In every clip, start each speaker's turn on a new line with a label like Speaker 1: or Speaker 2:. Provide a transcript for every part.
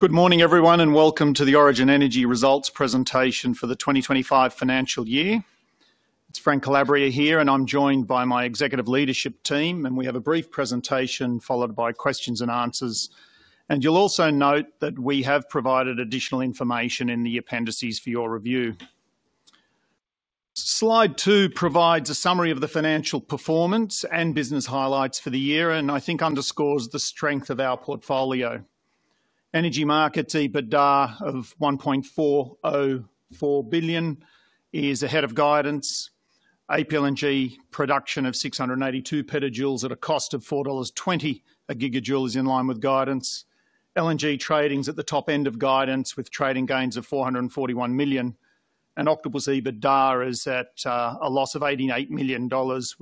Speaker 1: Good morning, everyone, and welcome to the Origin Energy results presentation for the 2025 financial year. It's Frank Calabria here, and I'm joined by my executive leadership team. We have a brief presentation followed by questions and answers. You'll also note that we have provided additional information in the appendices for your review. Slide two provides a summary of the financial performance and business highlights for the year, and I think underscores the strength of our portfolio. Energy Markets EBITDA of 1.404 billion is ahead of guidance. APLNG production of 682 PJ at a cost of 4.20 dollars GJ is in line with guidance. LNG Trading is at the top end of guidance with trading gains of 441 million, and Octopus EBITDA is at a loss of 88 million dollars.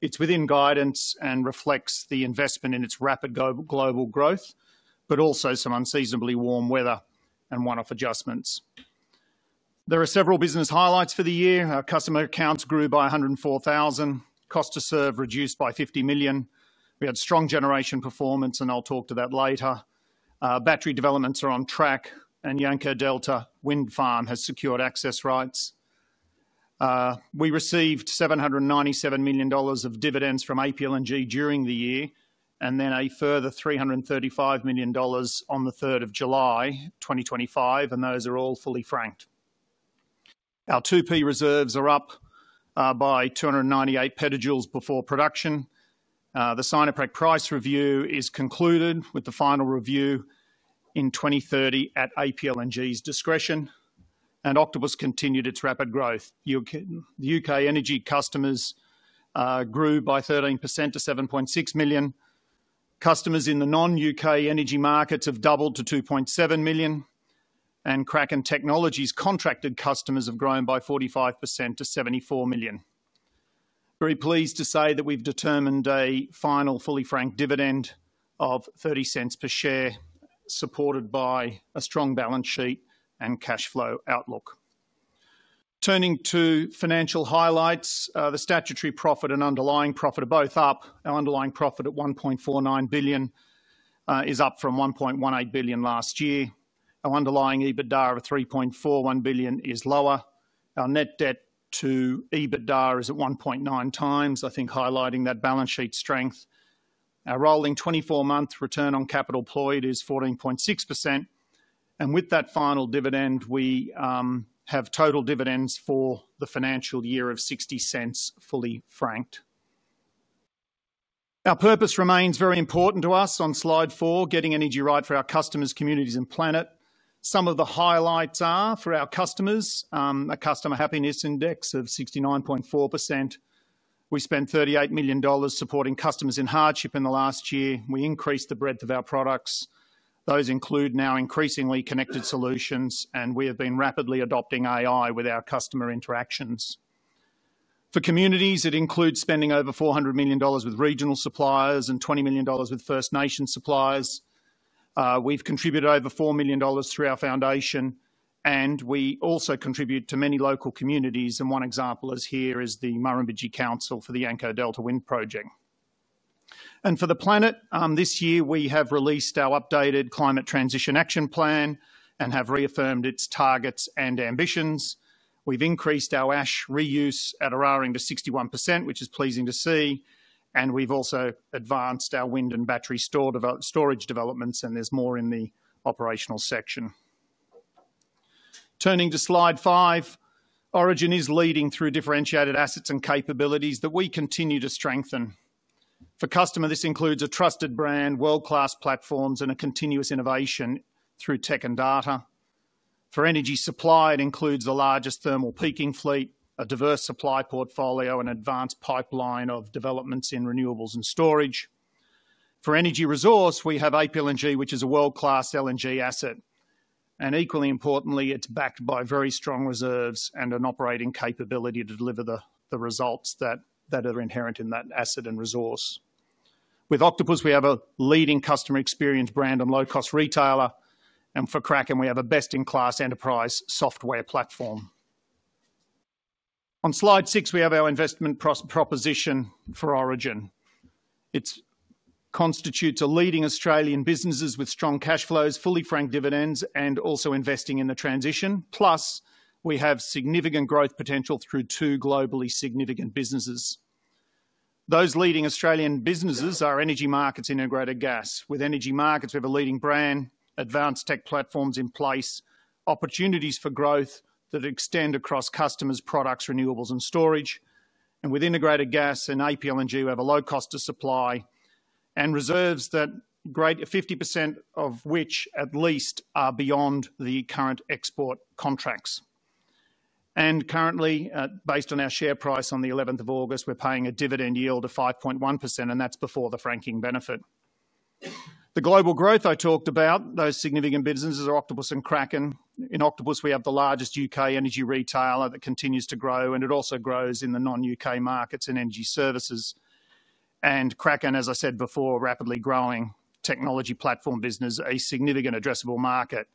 Speaker 1: It's within guidance and reflects the investment in its rapid global growth, but also some unseasonably warm weather and one-off adjustments. There are several business highlights for the year. Our customer accounts grew by 104,000, cost-to-serve reduced by 50 million. We had strong generation performance, and I'll talk to that later. Battery developments are on track, and Yanco Delta Wind Farm has secured access rights. We received 797 million dollars of dividends from APLNG during the year, and then a further 335 million dollars on the 3rd of July 2025, and those are all fully franked. Our 2P reserves are up by 298 PJ before production. The Sinopec price review is concluded with the final review in 2030 at APLNG's discretion, and Octopus continued its rapid growth. U.K. energy customers grew by 13% to 7.6 million. Customers in the non-U.K. energy markets have doubled to 2.7 million, and Kraken Technologies' contracted customers have grown by 45% to 74 million. Very pleased to say that we've determined a final fully franked dividend of 0.30 per share, supported by a strong balance sheet and cash flow outlook. Turning to financial highlights, the statutory profit and underlying profit are both up. Our underlying profit at 1.49 billion is up from 1.18 billion last year. Our underlying EBITDA of 3.41 billion is lower. Our net debt to EBITDA is at 1.9x, I think highlighting that balance sheet strength. Our rolling 24-month return on capital employed is 14.6%. With that final dividend, we have total dividends for the financial year of 0.60 fully franked. Our purpose remains very important to us on slide 4, getting energy right for our customers, communities, and planet. Some of the highlights are for our customers: a customer happiness index of 69.4%. We spent 38 million dollars supporting customers in hardship in the last year. We increased the breadth of our products. Those include now increasingly connected solutions, and we have been rapidly adopting AI with our customer interactions. For communities, it includes spending over 400 million dollars with regional suppliers and 20 million dollars with First Nation suppliers. We've contributed over 4 million dollars through our foundation, and we also contribute to many local communities, one example here is the Murrumbidgee Council for the Yanco Delta Wind project. For the planet, this year we have released our updated climate transition action plan and have reaffirmed its targets and ambitions. We've increased our ash reuse at Eraring to 61%, which is pleasing to see, and we've also advanced our wind and battery storage developments, and there's more in the operational section. Turning to slide five, Origin is leading through differentiated assets and capabilities that we continue to strengthen. For customer, this includes a trusted brand, world-class platforms, and continuous innovation through tech and data. For energy supply, it includes the largest thermal peaking fleet, a diverse supply portfolio, and an advanced pipeline of developments in renewables and storage. For energy resource, we have APLNG, which is a world-class LNG asset. Equally importantly, it's backed by very strong reserves and an operating capability to deliver the results that are inherent in that asset and resource. With Octopus, we have a leading customer experience brand and low-cost retailer, and for Kraken, we have a best-in-class enterprise software platform. On slide six, we have our investment proposition for Origin. It constitutes a leading Australian business with strong cash flows, fully franked dividends, and also investing in the transition. Plus, we have significant growth potential through two globally significant businesses. Those leading Australian businesses are Energy Markets and our Greater Gas. With Energy Markets, we have a leading brand, advanced tech platforms in place, opportunities for growth that extend across customers, products, renewables, and storage. Within the Greater Gas and APLNG, we have a low cost of supply and reserves, greater than 50% of which at least are beyond the current export contracts. Currently, based on our share price on 11th of August, we're paying a dividend yield of 5.1%, and that's before the franking benefit. The global growth I talked about, those significant businesses are Octopus and Kraken. In Octopus, we have the largest U.K. energy retailer that continues to grow, and it also grows in the non-U.K. markets and energy services. Kraken, as I said before, is a rapidly growing technology platform business, a significant addressable market,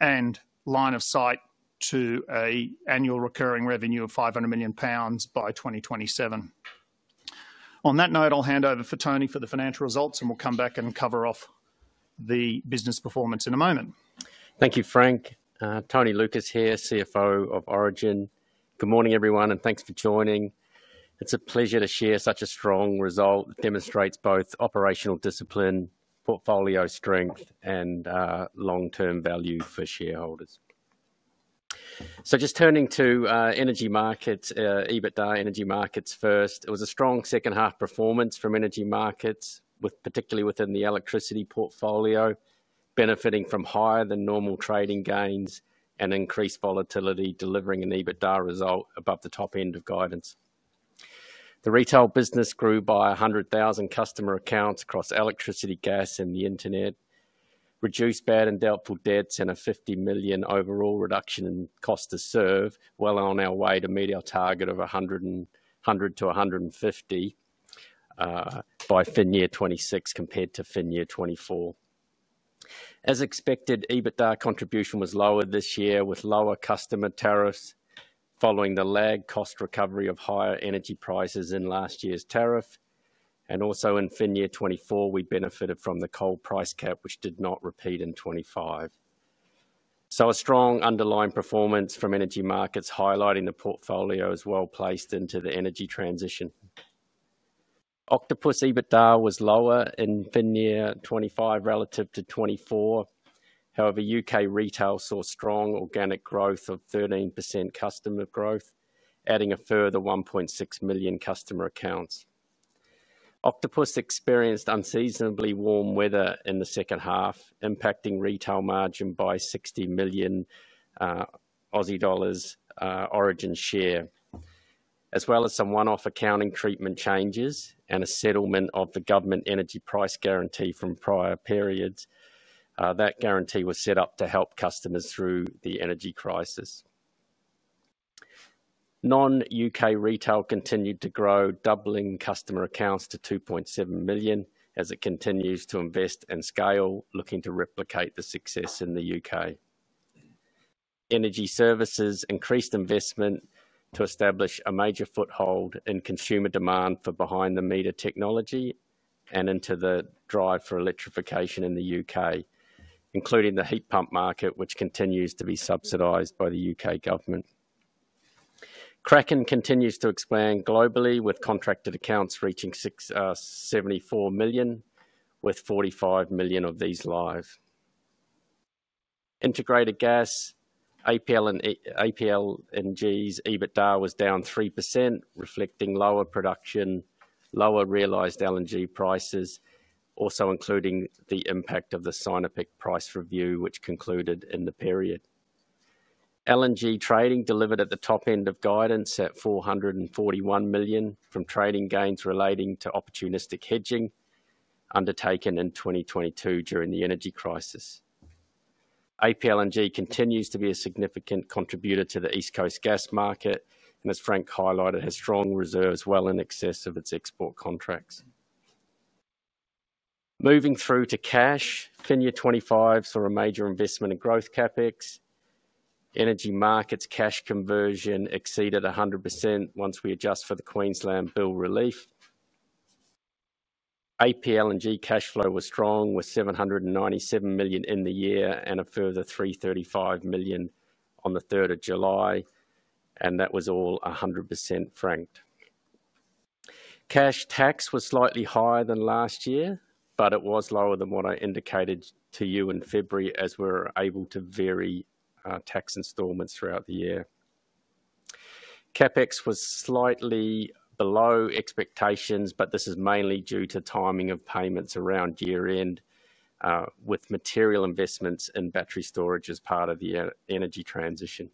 Speaker 1: and line of sight to an annual recurring revenue of 500 million pounds by 2027. On that note, I'll hand over to Tony for the financial results, and we'll come back and cover off the business performance in a moment.
Speaker 2: Thank you, Frank. Tony Lucas here, CFO of Origin. Good morning, everyone, and thanks for joining. It's a pleasure to share such a strong result that demonstrates both operational discipline, portfolio strength, and long-term value for shareholders. Just turning to Energy Markets, EBITDA Energy Markets first. It was a strong second-half performance from Energy Markets, particularly within the electricity portfolio, benefiting from higher than normal trading gains and increased volatility, delivering an EBITDA result above the top end of guidance. The retail business grew by 100,000 customer accounts across electricity, gas, and the internet, reduced bad and doubtful debts, and a 50 million overall reduction in cost-to-serve, well on our way to meet our target of 100 million-150 million by financial year 2026 compared to financial year 2024. As expected, EBITDA contribution was lower this year with lower customer tariffs following the lag cost recovery of higher energy prices in last year's tariff. In financial year 2024, we benefited from the coal price cap, which did not repeat in 2025. A strong underlying performance from Energy Markets highlights the portfolio is well placed into the energy transition. Octopus EBITDA was lower in financial year 2025 relative to 2024. However, U.K. retail saw strong organic growth of 13% customer growth, adding a further 1.6 million customer accounts. Octopus experienced unseasonably warm weather in the second half, impacting retail margin by 60 million Aussie dollars Origin share, as well as some one-off accounting treatment changes and a settlement of the government energy price guarantee from prior periods. That guarantee was set up to help customers through the energy crisis. Non-U.K. retail continued to grow, doubling customer accounts to 2.7 million as it continues to invest and scale, looking to replicate the success in the U.K. Energy Services increased investment to establish a major foothold in consumer demand for behind-the-meter technology and into the drive for electrification in the U.K., including the heat pump market, which continues to be subsidized by the U.K. government. Kraken continues to expand globally with contracted accounts reaching 74 million, with 45 million of these live. Integrated Gas, APLNG's EBITDA was down 3%, reflecting lower production, lower realized LNG prices, also including the impact of the Sinopec price review, which concluded in the period. LNG Trading delivered at the top end of guidance at 441 million from trading gains relating to opportunistic hedging undertaken in 2022 during the energy crisis. APLNG continues to be a significant contributor to the East Coast gas market, and as Frank highlighted, has strong reserves well in excess of its export contracts. Moving through to cash, FY 2025 saw a major investment in growth CapEx. Energy Markets cash conversion exceeded 100% once we adjust for the Queensland bill relief. APLNG cash flow was strong with 797 million in the year and a further 335 million on the 3rd of July, and that was all 100% franked. Cash tax was slightly higher than last year, but it was lower than what I indicated to you in February as we're able to vary tax installments throughout the year. CapEx was slightly below expectations, but this is mainly due to timing of payments around year-end, with material investments in battery storage as part of the energy transition.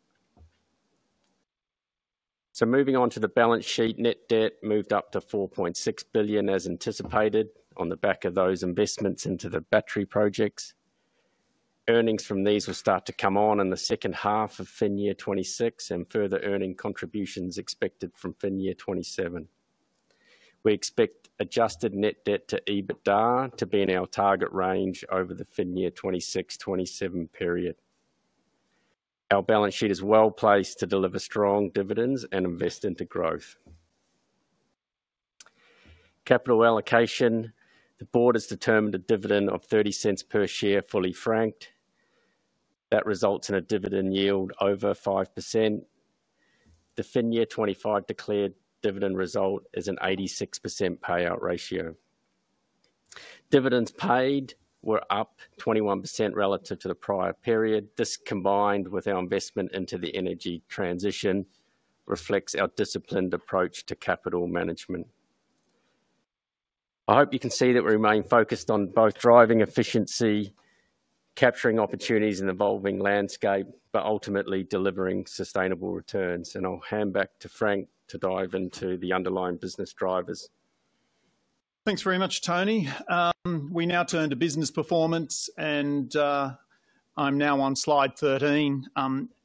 Speaker 2: Moving on to the balance sheet, net debt moved up to 4.6 billion as anticipated on the back of those investments into the battery projects. Earnings from these will start to come on in the second half of FY 2026 and further earning contributions expected from FY 2027. We expect adjusted net debt to EBITDA to be in our target range over the FY 2026/FY 2027 period. Our balance sheet is well placed to deliver strong dividends and invest into growth. Capital allocation, the board has determined a dividend of 0.30 per share fully franked. That results in a dividend yield over 5%. The FY 2025 declared dividend result is an 86% payout ratio. Dividends paid were up 21% relative to the prior period. This combined with our investment into the energy transition reflects our disciplined approach to capital management. I hope you can see that we remain focused on both driving efficiency, capturing opportunities in an evolving landscape, but ultimately delivering sustainable returns. I'll hand back to Frank to dive into the underlying business drivers.
Speaker 1: Thanks very much, Tony. We now turn to business performance, and I'm now on slide 13.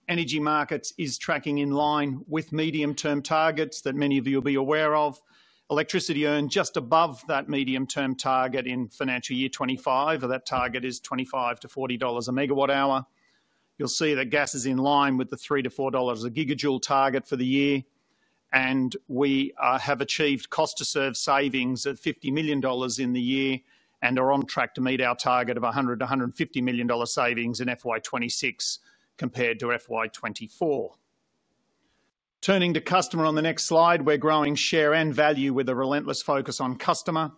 Speaker 1: Energy Markets are tracking in line with medium-term targets that many of you will be aware of. Electricity earned just above that medium-term target in financial year 2025, and that target is 25 MWh-AUD 40 MWh. You'll see that gas is in line with the 3 GJ-AUD 4 GJ target for the year, and we have achieved cost-to-serve savings at 50 million dollars in the year and are on track to meet our target of 100 million-150 million dollar savings in FY 2026 compared to FY 2024. Turning to customer on the next slide, we're growing share and value with a relentless focus on customer.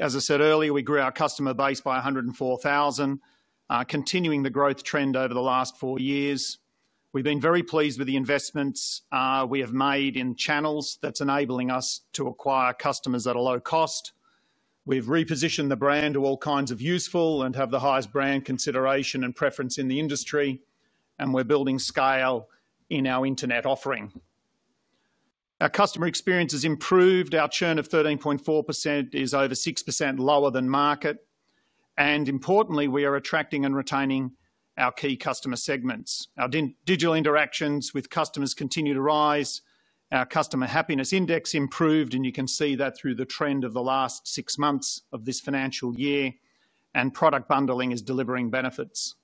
Speaker 1: As I said earlier, we grew our customer base by 104,000, continuing the growth trend over the last four years. We've been very pleased with the investments we have made in channels that's enabling us to acquire customers at a low cost. We've repositioned the brand to all kinds of useful and have the highest brand consideration and preference in the industry, and we're building scale in our internet offering. Our customer experience has improved. Our churn of 13.4% is over 6% lower than market, and importantly, we are attracting and retaining our key customer segments. Our digital interactions with customers continue to rise. Our customer happiness index improved, and you can see that through the trend of the last six months of this financial year, and product bundling is delivering benefits.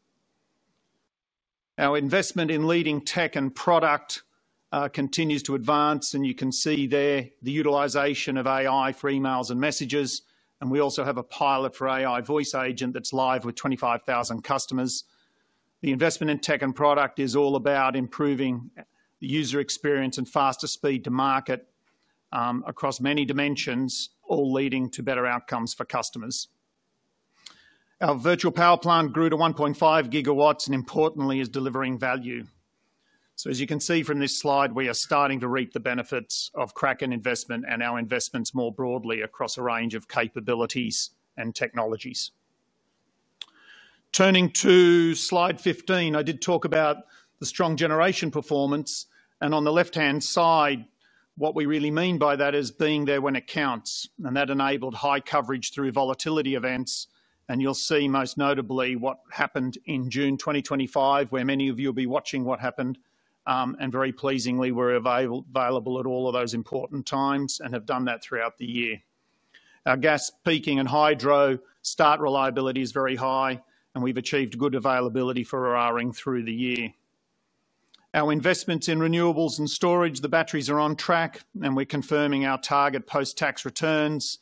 Speaker 1: Our investment in leading tech and product continues to advance, and you can see there the utilization of AI for emails and messages, and we also have a pilot for AI voice agent that's live with 25,000 customers. The investment in tech and product is all about improving the user experience and faster speed to market across many dimensions, all leading to better outcomes for customers. Our Virtual Power Plant grew to 1.5 GW and importantly is delivering value. As you can see from this slide, we are starting to reap the benefits of Kraken investment and our investments more broadly across a range of capabilities and technologies. Turning to slide 15, I did talk about the strong generation performance, and on the left-hand side, what we really mean by that is being there when it counts, and that enabled high coverage through volatility events. You'll see most notably what happened in June 2025, where many of you will be watching what happened, and very pleasingly, we're available at all of those important times and have done that throughout the year. Our gas peaking and hydro start reliability is very high, and we've achieved good availability for Eraring through the year. Our investments in renewables and storage, the batteries are on track, and we're confirming our target post-tax returns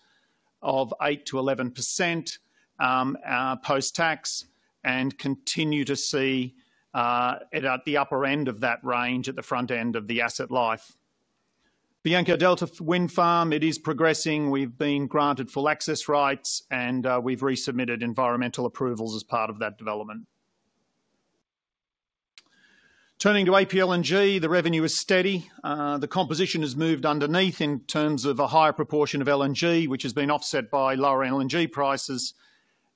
Speaker 1: of 8%-11% post-tax and continue to see it at the upper end of that range at the front end of the asset life. Yanco Delta Wind Farm is progressing. We've been granted full access rights, and we've resubmitted environmental approvals as part of that development. Turning to APLNG, the revenue is steady. The composition has moved underneath in terms of a higher proportion of LNG, which has been offset by lower LNG prices.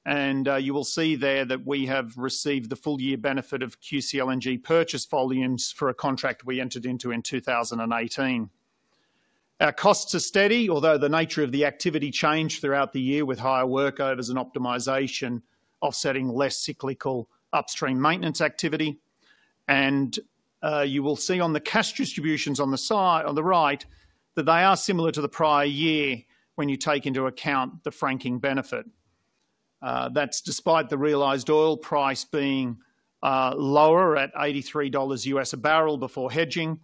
Speaker 1: You will see there that we have received the full-year benefit of QCLNG purchase volumes for a contract we entered into in 2018. Our costs are steady, although the nature of the activity changed throughout the year with higher work orders and optimization, offsetting less cyclical upstream maintenance activity. You will see on the cash distributions on the right that they are similar to the prior year when you take into account the franking benefit. That's despite the realized oil price being lower at $83 a barrel before hedging.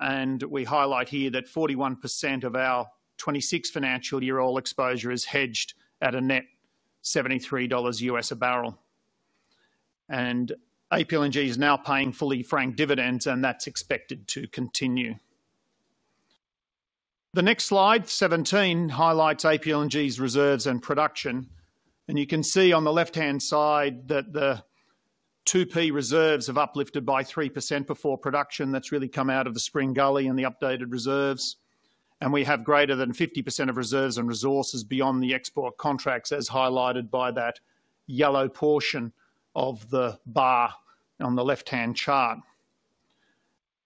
Speaker 1: We highlight here that 41% of our 2026 financial year oil exposure is hedged at a net $73 a barrel. APLNG is now paying fully franked dividends, and that's expected to continue. The next slide, 17, highlights APLNG's reserves and production. You can see on the left-hand side that the 2P reserves have uplifted by 3% before production. That's really come out of the Spring Gully and the updated reserves. We have greater than 50% of reserves and resources beyond the export contracts as highlighted by that yellow portion of the bar on the left-hand chart.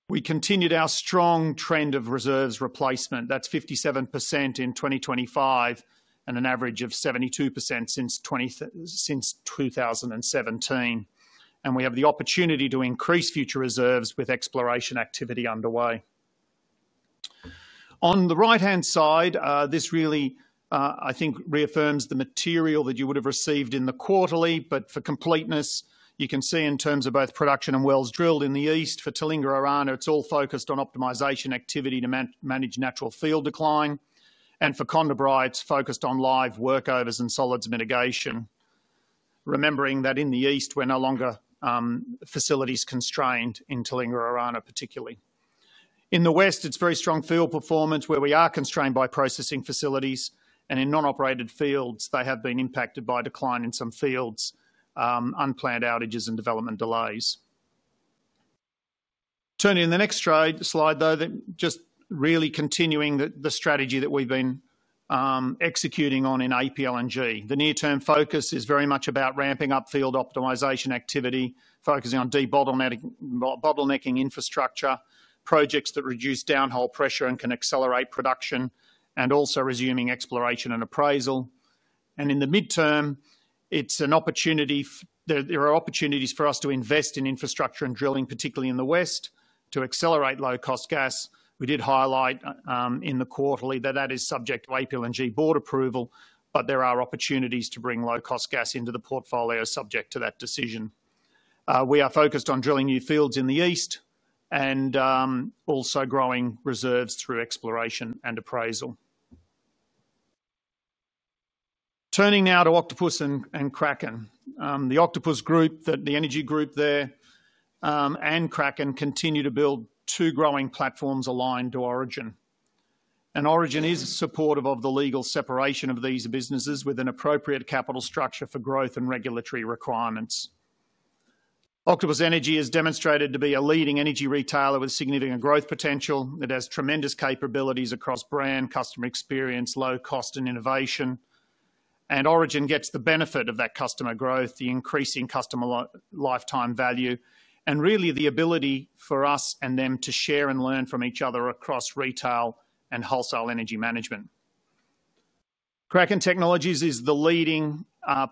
Speaker 1: We continued our strong trend of reserves replacement. That's 57% in 2025 and an average of 72% since 2017. We have the opportunity to increase future reserves with exploration activity underway. On the right-hand side, this really, I think, reaffirms the material that you would have received in the quarterly, but for completeness, you can see in terms of both production and wells drilled in the east. For Talinga Orana, it's all focused on optimization activity to manage natural fuel decline. For Condabri, it's focused on live work orders and solids mitigation, remembering that in the east, we're no longer facilities constrained in Talinga Orana particularly. In the west, it's very strong fuel performance where we are constrained by processing facilities. In non-operated fields, they have been impacted by decline in some fields, unplanned outages, and development delays. Turning to the next slide, just really continuing the strategy that we've been executing on in APLNG. The near-term focus is very much about ramping up field optimization activity, focusing on de-bottlenecking infrastructure, projects that reduce downhole pressure and can accelerate production, and also resuming exploration and appraisal. In the midterm, there are opportunities for us to invest in infrastructure and drilling, particularly in the west, to accelerate low-cost gas. We did highlight in the quarterly that that is subject to APLNG board approval, but there are opportunities to bring low-cost gas into the portfolio subject to that decision. We are focused on drilling new fields in the east and also growing reserves through exploration and appraisal. Turning now to Octopus and Kraken. The Octopus group, the energy group there, and Kraken continue to build two growing platforms aligned to Origin. Origin is supportive of the legal separation of these businesses with an appropriate capital structure for growth and regulatory requirements. Octopus Energy has demonstrated to be a leading energy retailer with significant growth potential. It has tremendous capabilities across brand, customer experience, low cost, and innovation. Origin gets the benefit of that customer growth, the increasing customer lifetime value, and really the ability for us and them to share and learn from each other across retail and wholesale energy management. Kraken Technologies is the leading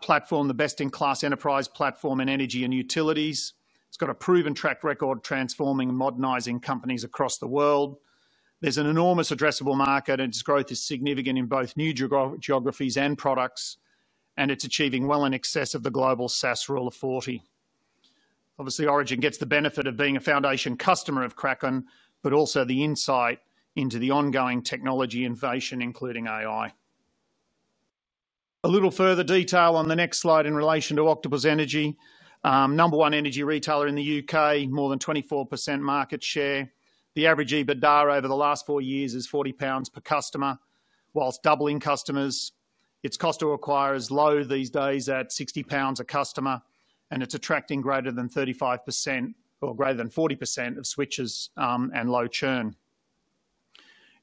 Speaker 1: platform, the best-in-class enterprise platform in energy and utilities. It's got a proven track record transforming and modernizing companies across the world. There's an enormous addressable market, and its growth is significant in both new geographies and products, and it's achieving well in excess of the global SaaS rule of 40. Obviously, Origin gets the benefit of being a foundation customer of Kraken, but also the insight into the ongoing technology innovation, including AI. A little further detail on the next slide in relation to Octopus Energy. Number one energy retailer in the U.K., more than 24% market share. The average EBITDA over the last four years is 40 pounds per customer, whilst doubling customers. Its cost to acquire is low these days at 60 pounds a customer, and it's attracting greater than 35% or greater than 40% of switches and low churn.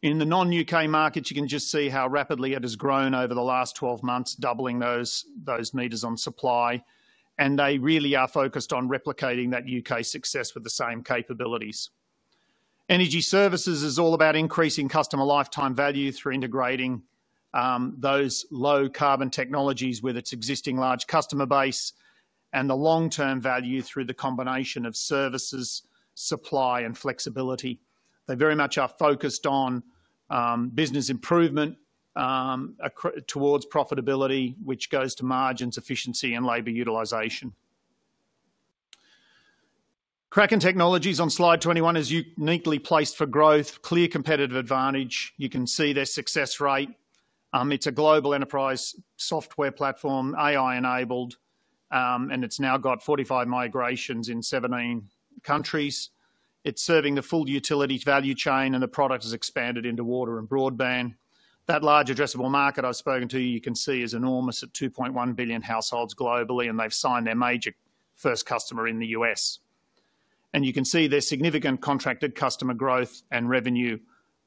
Speaker 1: In the non-U.K. markets, you can just see how rapidly it has grown over the last 12 months, doubling those meters on supply. They really are focused on replicating that U.K. success with the same capabilities. Energy services is all about increasing customer lifetime value through integrating those low carbon technologies with its existing large customer base and the long-term value through the combination of services, supply, and flexibility. They very much are focused on business improvement towards profitability, which goes to margins, efficiency, and labor utilization. Kraken Technologies on slide 21 is uniquely placed for growth, clear competitive advantage. You can see their success rate. It's a global enterprise software platform, AI-enabled, and it's now got 45 migrations in 17 countries. It's serving the full utility value chain, and the product has expanded into water and broadband. That large addressable market I've spoken to, you can see, is enormous at 2.1 billion households globally, and they've signed their major first customer in the U.S. You can see their significant contracted customer growth and revenue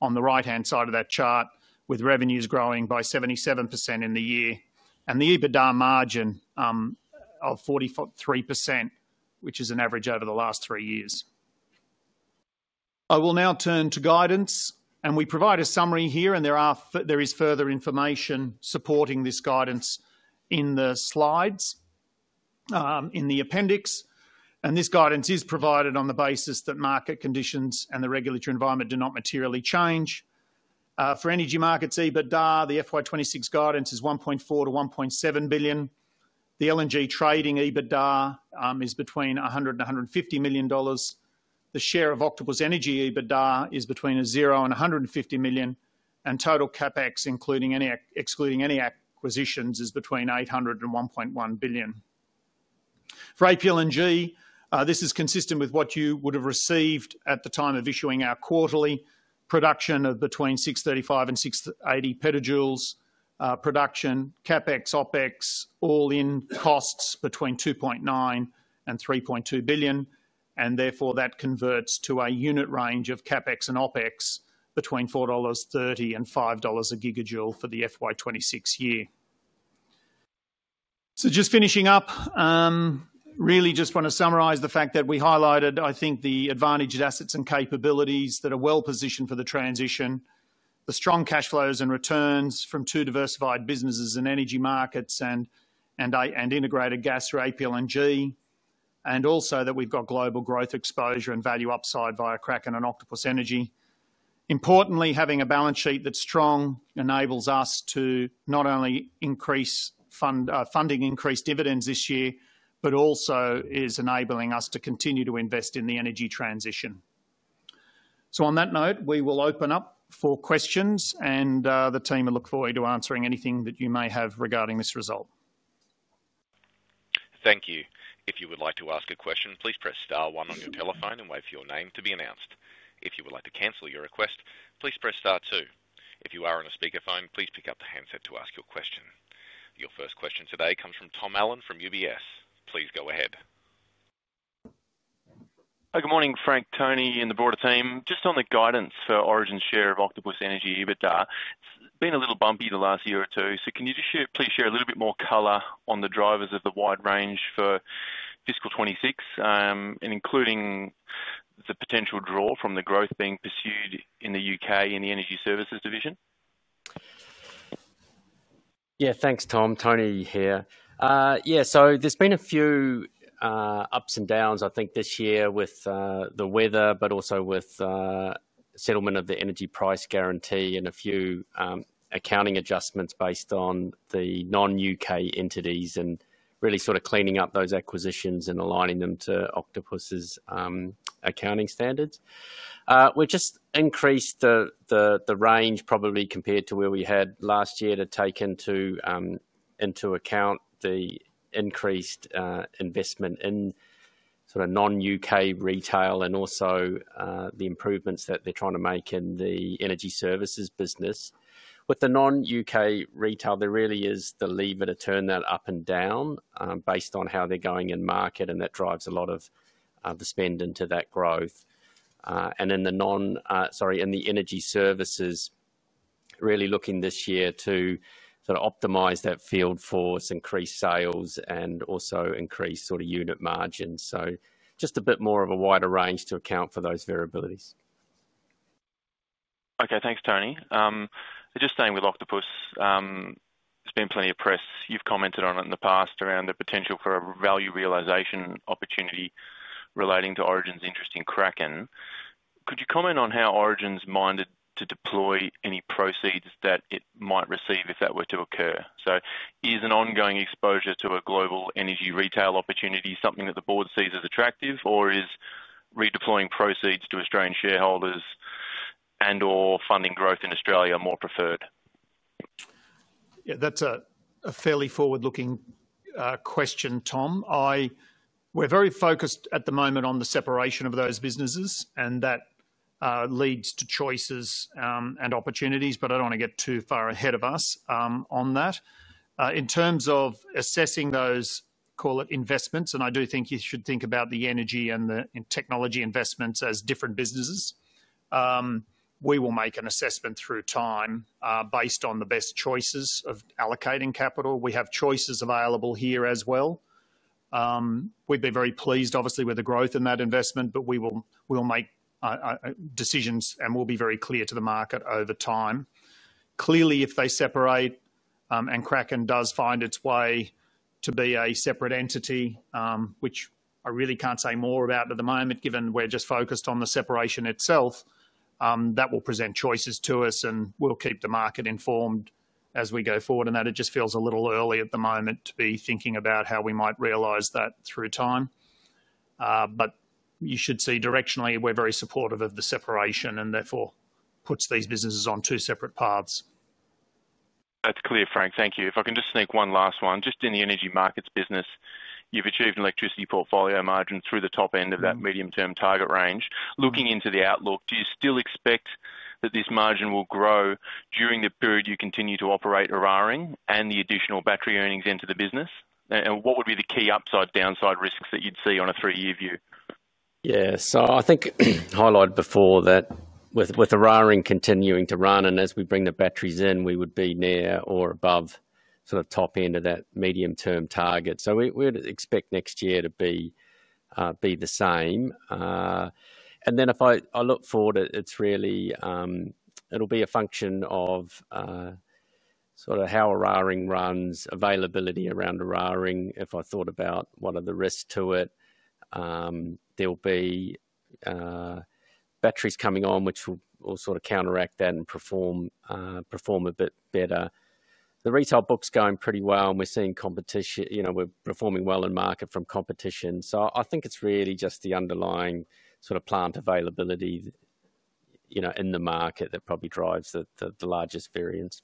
Speaker 1: on the right-hand side of that chart, with revenues growing by 77% in the year and the EBITDA margin of 43%, which is an average over the last three years. I will now turn to guidance, and we provide a summary here, and there is further information supporting this guidance in the slides in the appendix. This guidance is provided on the basis that market conditions and the regulatory environment do not materially change. For Energy Market s, EBITDA the FY 2026 guidance is 1.4 billion-1.7 billion. The LNG Trading EBITDA is between 100 million-150 million dollars. The share of Octopus Energy EBITDA is between 0 million and 150 million, and total CapEx, including any excluding any acquisitions, is between 800 million and 1.1 billion. For APLNG, this is consistent with what you would have received at the time of issuing our quarterly production of between 635 PJ-680 PJ. Production CapEx, OpEx, all-in costs between 2.9 billion and 3.2 billion, and therefore that converts to a unit range of CapEx and OpEx between 4.30 dollars GJ and 5 dollars GJ for the FY 2026 year. Just finishing up, really just want to summarize the fact that we highlighted, I think, the advantaged assets and capabilities that are well positioned for the transition, the strong cash flows and returns from two diversified businesses in Energy Markets and Integrated Gas through APLNG, and also that we've got global growth exposure and value upside via Kraken and Octopus Energy. Importantly, having a balance sheet that's strong enables us to not only increase funding, increase dividends this year, but also is enabling us to continue to invest in the energy transition. On that note, we will open up for questions, and the team will look forward to answering anything that you may have regarding this result.
Speaker 3: Thank you. If you would like to ask a question, please press star one on your telephone and wait for your name to be announced. If you would like to cancel your request, please press star two. If you are on a speaker phone, please pick up the handset to ask your question. Your first question today comes from Tom Allen from UBS. Please go ahead.
Speaker 4: Good morning, Frank, Tony, and the broader team. Just on the guidance for Origin's share of Octopus Energy EBITDA, it's been a little bumpy the last year or two. Can you just please share a little bit more color on the drivers of the wide range for fiscal 2026, including the potential draw from the growth being pursued in the U.K. in the energy services division?
Speaker 2: Yeah, thanks, Tom. Tony here. There's been a few ups and downs, I think, this year with the weather, but also with the settlement of the energy price guarantee and a few accounting adjustments based on the non-U.K. entities and really sort of cleaning up those acquisitions and aligning them to Octopus's accounting standards. We've just increased the range probably compared to where we had last year to take into account the increased investment in sort of non-U.K. retail and also the improvements that they're trying to make in the energy services business. With the non-U.K. retail, there really is the leeway to turn that up and down based on how they're going in market, and that drives a lot of the spend into that growth. In the energy services, really looking this year to sort of optimize that field force, increase sales, and also increase sort of unit margins. Just a bit more of a wider range to account for those variabilities.
Speaker 4: Okay, thanks, Tony. Just staying with Octopus, there's been plenty of press. You've commented on it in the past around the potential for a value realization opportunity relating to Origin's interest in Kraken. Could you comment on how Origin's minded to deploy any proceeds that it might receive if that were to occur? Is an ongoing exposure to a global energy retail opportunity something that the board sees as attractive, or is redeploying proceeds to Australian shareholders and/or funding growth in Australia more preferred?
Speaker 1: Yeah, that's a fairly forward-looking question, Tom. We're very focused at the moment on the separation of those businesses, and that leads to choices and opportunities, but I don't want to get too far ahead of us on that. In terms of assessing those, call it investments, I do think you should think about the energy and the technology investments as different businesses. We will make an assessment through time based on the best choices of allocating capital. We have choices available here as well. We'd be very pleased, obviously, with the growth in that investment, but we will make decisions and will be very clear to the market over time. Clearly, if they separate and Kraken does find its way to be a separate entity, which I really can't say more about at the moment given we're just focused on the separation itself, that will present choices to us and will keep the market informed as we go forward. It just feels a little early at the moment to be thinking about how we might realize that through time. You should see directionally, we're very supportive of the separation and therefore puts these businesses on two separate paths.
Speaker 4: That's clear, Frank. Thank you. If I can just sneak one last one, just in the Energy Markets business, you've achieved an electricity portfolio margin through the top end of that medium-term target range. Looking into the outlook, do you still expect that this margin will grow during the period you continue to operate Eraring and the additional battery earnings into the business? What would be the key upside-downside risks that you'd see on a three-year view?
Speaker 2: I think highlighted before that with Eraring continuing to run and as we bring the batteries in, we would be near or above sort of top end of that medium-term target. We'd expect next year to be the same. If I look forward, it'll be a function of sort of how Eraring runs, availability around Eraring. If I thought about what are the risks to it, there'll be batteries coming on which will sort of counteract that and perform a bit better. The retail book's going pretty well and we're seeing competition, you know, we're performing well in market from competition. I think it's really just the underlying sort of plant availability in the market that probably drives the largest variance.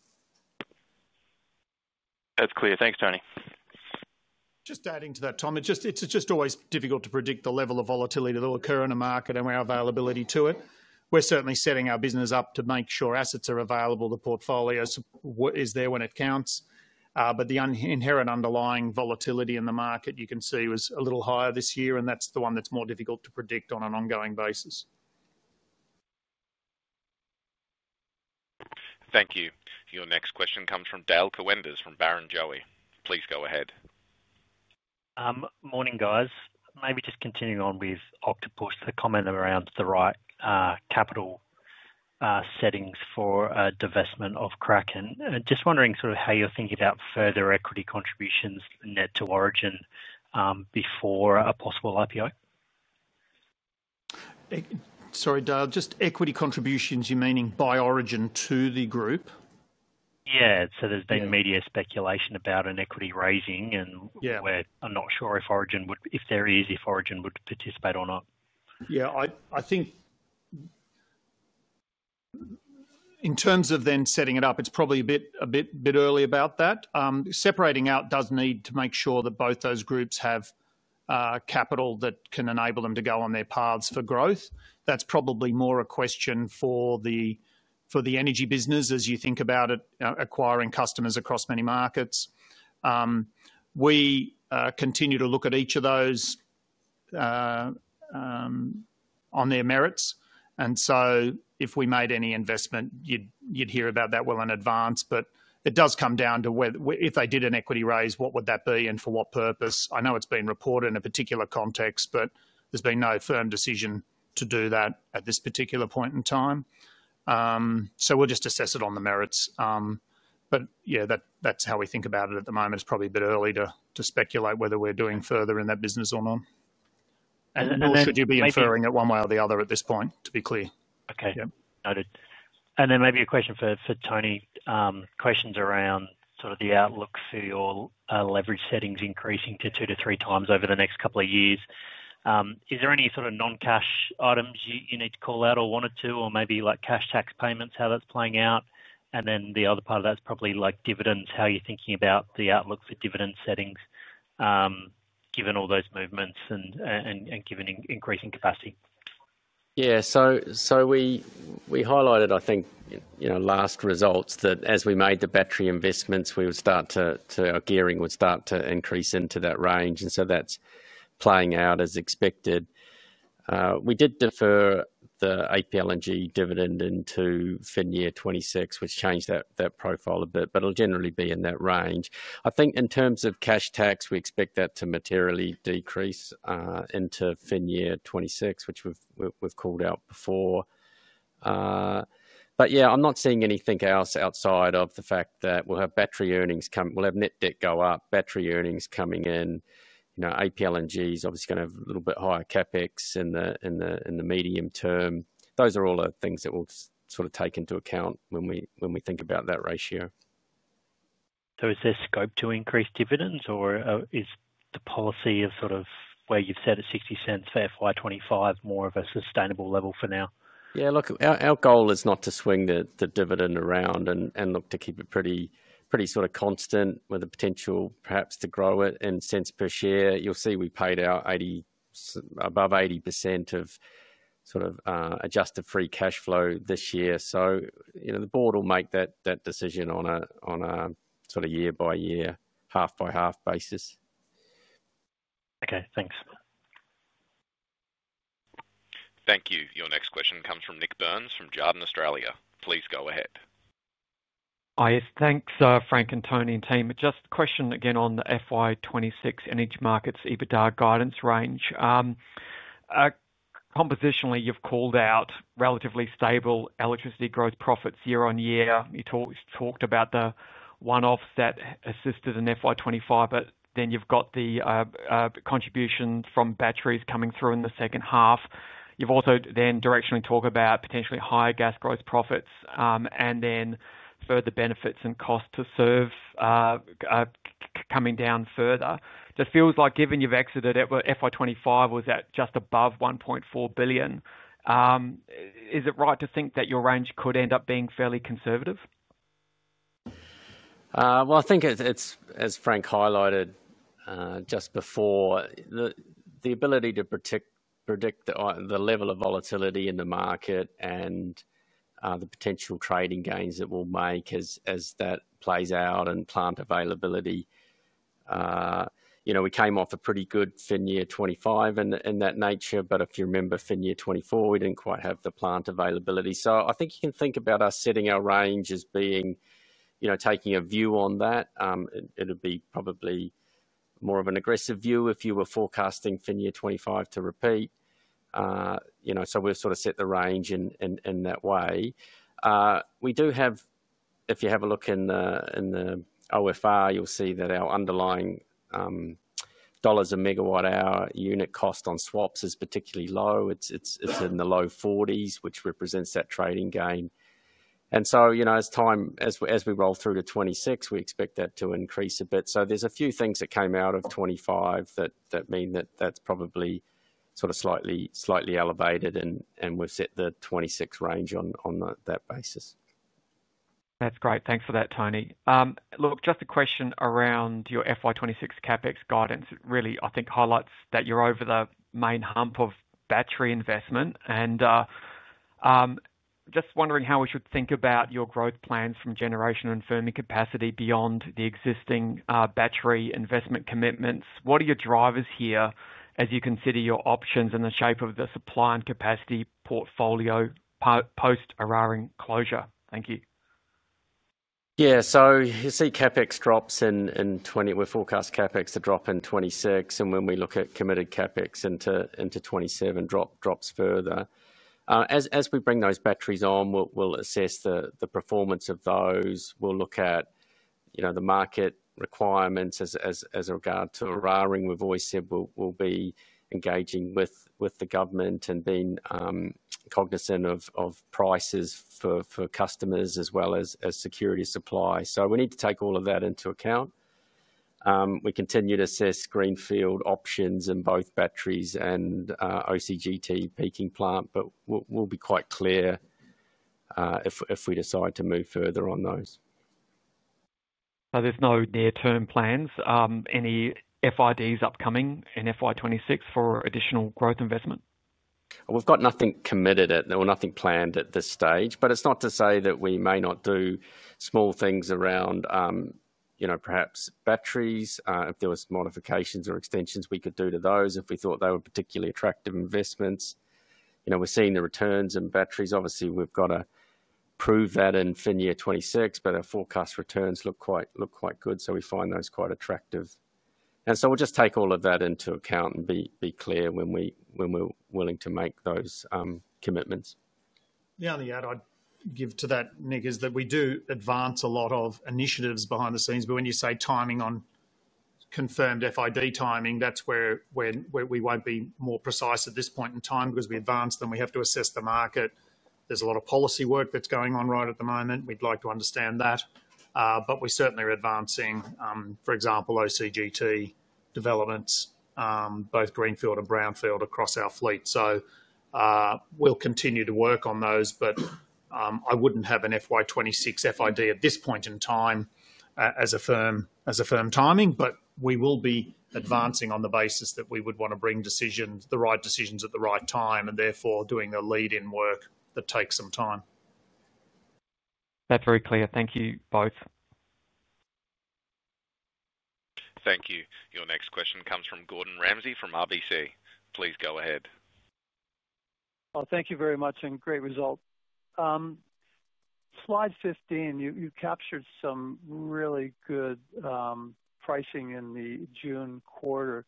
Speaker 4: That's clear. Thanks, Tony.
Speaker 1: Just adding to that, Tom, it's just always difficult to predict the level of volatility that will occur in a market and our availability to it. We're certainly setting our business up to make sure assets are available, the portfolio is there when it counts. The inherent underlying volatility in the market you can see was a little higher this year, and that's the one that's more difficult to predict on an ongoing basis.
Speaker 3: Thank you. Your next question comes from Dale Koenders from Barrenjoey. Please go ahead.
Speaker 5: Morning, guys. Maybe just continuing on with Octopus, the comment around the right capital settings for divestment of Kraken. Just wondering how you're thinking about further equity contributions net to Origin before a possible IPO.
Speaker 1: Sorry, Dale, just equity contributions, you meaning by Origin to the group?
Speaker 5: There's been media speculation about an equity raising, and I'm not sure if Origin would, if there is, if Origin would participate or not.
Speaker 1: Yeah, I think in terms of then setting it up, it's probably a bit early about that. Separating out does need to make sure that both those groups have capital that can enable them to go on their paths for growth. That's probably more a question for the energy business as you think about it acquiring customers across many markets. We continue to look at each of those on their merits. If we made any investment, you'd hear about that well in advance. It does come down to whether if they did an equity raise, what would that be and for what purpose. I know it's been reported in a particular context, but there's been no firm decision to do that at this particular point in time. We'll just assess it on the merits. That's how we think about it at the moment. It's probably a bit early to speculate whether we're doing further in that business or not. Nor should you be inferring it one way or the other at this point, to be clear.
Speaker 5: Okay, noted. Maybe a question for Tony, questions around sort of the outlook for your leverage settings increasing to 2x-3x over the next couple of years. Is there any sort of non-cash items you need to call out or wanted to, or maybe like cash tax payments, how that's playing out? The other part of that is probably like dividends, how you're thinking about the outlook for dividend settings given all those movements and given increasing capacity.
Speaker 2: Yeah, so we highlighted, I think, you know, last results that as we made the battery investments, we would start to, our gearing would start to increase into that range. That's playing out as expected. We did defer the APLNG dividend into financial year 2026, which changed that profile a bit, but it'll generally be in that range. I think in terms of cash tax, we expect that to materially decrease into financial year 2026, which we've called out before. I'm not seeing anything else outside of the fact that we'll have battery earnings come, we'll have net debt go up, battery earnings coming in. APLNG is obviously going to have a little bit higher CapEx in the medium term. Those are all the things that we'll sort of take into account when we think about that ratio.
Speaker 5: Is there scope to increase dividends, or is the policy of where you've said at 0.60 for FY 2025 more of a sustainable level for now?
Speaker 2: Yeah, look, our goal is not to swing the dividend around and look to keep it pretty sort of constant with the potential perhaps to grow it in AUD 0.01 per share. You'll see we paid out above 80% of sort of adjusted free cash flow this year. The board will make that decision on a year by year, half by half basis.
Speaker 5: Okay, thanks.
Speaker 3: Thank you. Your next question comes from Nik Burns from Jarden Australia. Please go ahead.
Speaker 6: Yes, thanks, Frank and Tony and team. Just a question again on the FY 2026 Energy Markets EBITDA guidance range. Compositionally, you've called out relatively stable electricity gross profits year on year. You talked about the one-offs that assisted in FY 2025, but then you've got the contributions from batteries coming through in the second half. You've also then directionally talked about potentially higher gas gross profits and then further benefits and cost-to-serve coming down further. Just feels like given you've exited at FY 2025, was that just above 1.4 billion. Is it right to think that your range could end up being fairly conservative?
Speaker 2: As Frank highlighted just before, the ability to predict the level of volatility in the market and the potential trading gains that we'll make as that plays out and plant availability. You know, we came off a pretty good financial year 2025 in that nature, but if you remember financial year 2024, we didn't quite have the plant availability. I think you can think about us setting our range as being, you know, taking a view on that. It'd be probably more of an aggressive view if you were forecasting financial year 2025 to repeat. We've sort of set the range in that way. If you have a look in the OFR, you'll see that our underlying dollars a megawatt hour unit cost on swaps is particularly low. It's in the low AUD 40s, which represents that trading gain. As time as we roll through to 2026, we expect that to increase a bit. There are a few things that came out of 2025 that mean that that's probably sort of slightly elevated, and we've set the 2026 range on that basis.
Speaker 6: That's great. Thanks for that, Tony. Just a question around your FY 2026 CapEx guidance. It really, I think, highlights that you're over the main hump of battery investment. I'm just wondering how we should think about your growth plans from generation and firming capacity beyond the existing battery investment commitments. What are your drivers here as you consider your options in the shape of the supply and capacity portfolio post-Eraring closure? Thank you.
Speaker 2: Yeah, so you see CapEx drops in 2020, we forecast CapEx to drop in 2026, and when we look at committed CapEx into 2027, it drops further. As we bring those batteries on, we'll assess the performance of those. We'll look at, you know, the market requirements as regards to Eraring. We've always said we'll be engaging with the government and being cognizant of prices for customers as well as security of supply. We need to take all of that into account. We continue to assess greenfield options in both batteries and OCGT peaking plant, but we'll be quite clear if we decide to move further on those.
Speaker 6: There are no near-term plans. Any FIDs upcoming in FY 2026 for additional growth investment?
Speaker 2: We've got nothing committed at, nothing planned at this stage, but it's not to say that we may not do small things around, you know, perhaps batteries. If there were modifications or extensions we could do to those, if we thought they were particularly attractive investments. We're seeing the returns in batteries. Obviously, we've got to prove that in fin year 2026, but our forecast returns look quite good, so we find those quite attractive. We'll just take all of that into account and be clear when we're willing to make those commitments.
Speaker 1: The only add I'd give to that, Nik, is that we do advance a lot of initiatives behind the scenes, but when you say timing on confirmed FID timing, that's where we won't be more precise at this point in time because we advance and we have to assess the market. There's a lot of policy work that's going on right at the moment. We'd like to understand that, but we certainly are advancing, for example, OCGT developments, both Greenfield and Brownfield across our fleet. We'll continue to work on those, but I wouldn't have an FY 2026 FID at this point in time as a firm timing, but we will be advancing on the basis that we would want to bring decisions, the right decisions at the right time, and therefore doing the lead-in work that takes some time.
Speaker 6: That's very clear. Thank you both.
Speaker 3: Thank you. Your next question comes from Gordon Ramsay from RBC. Please go ahead.
Speaker 7: Thank you very much and great result. Slide 15, you captured some really good pricing in the June quarter.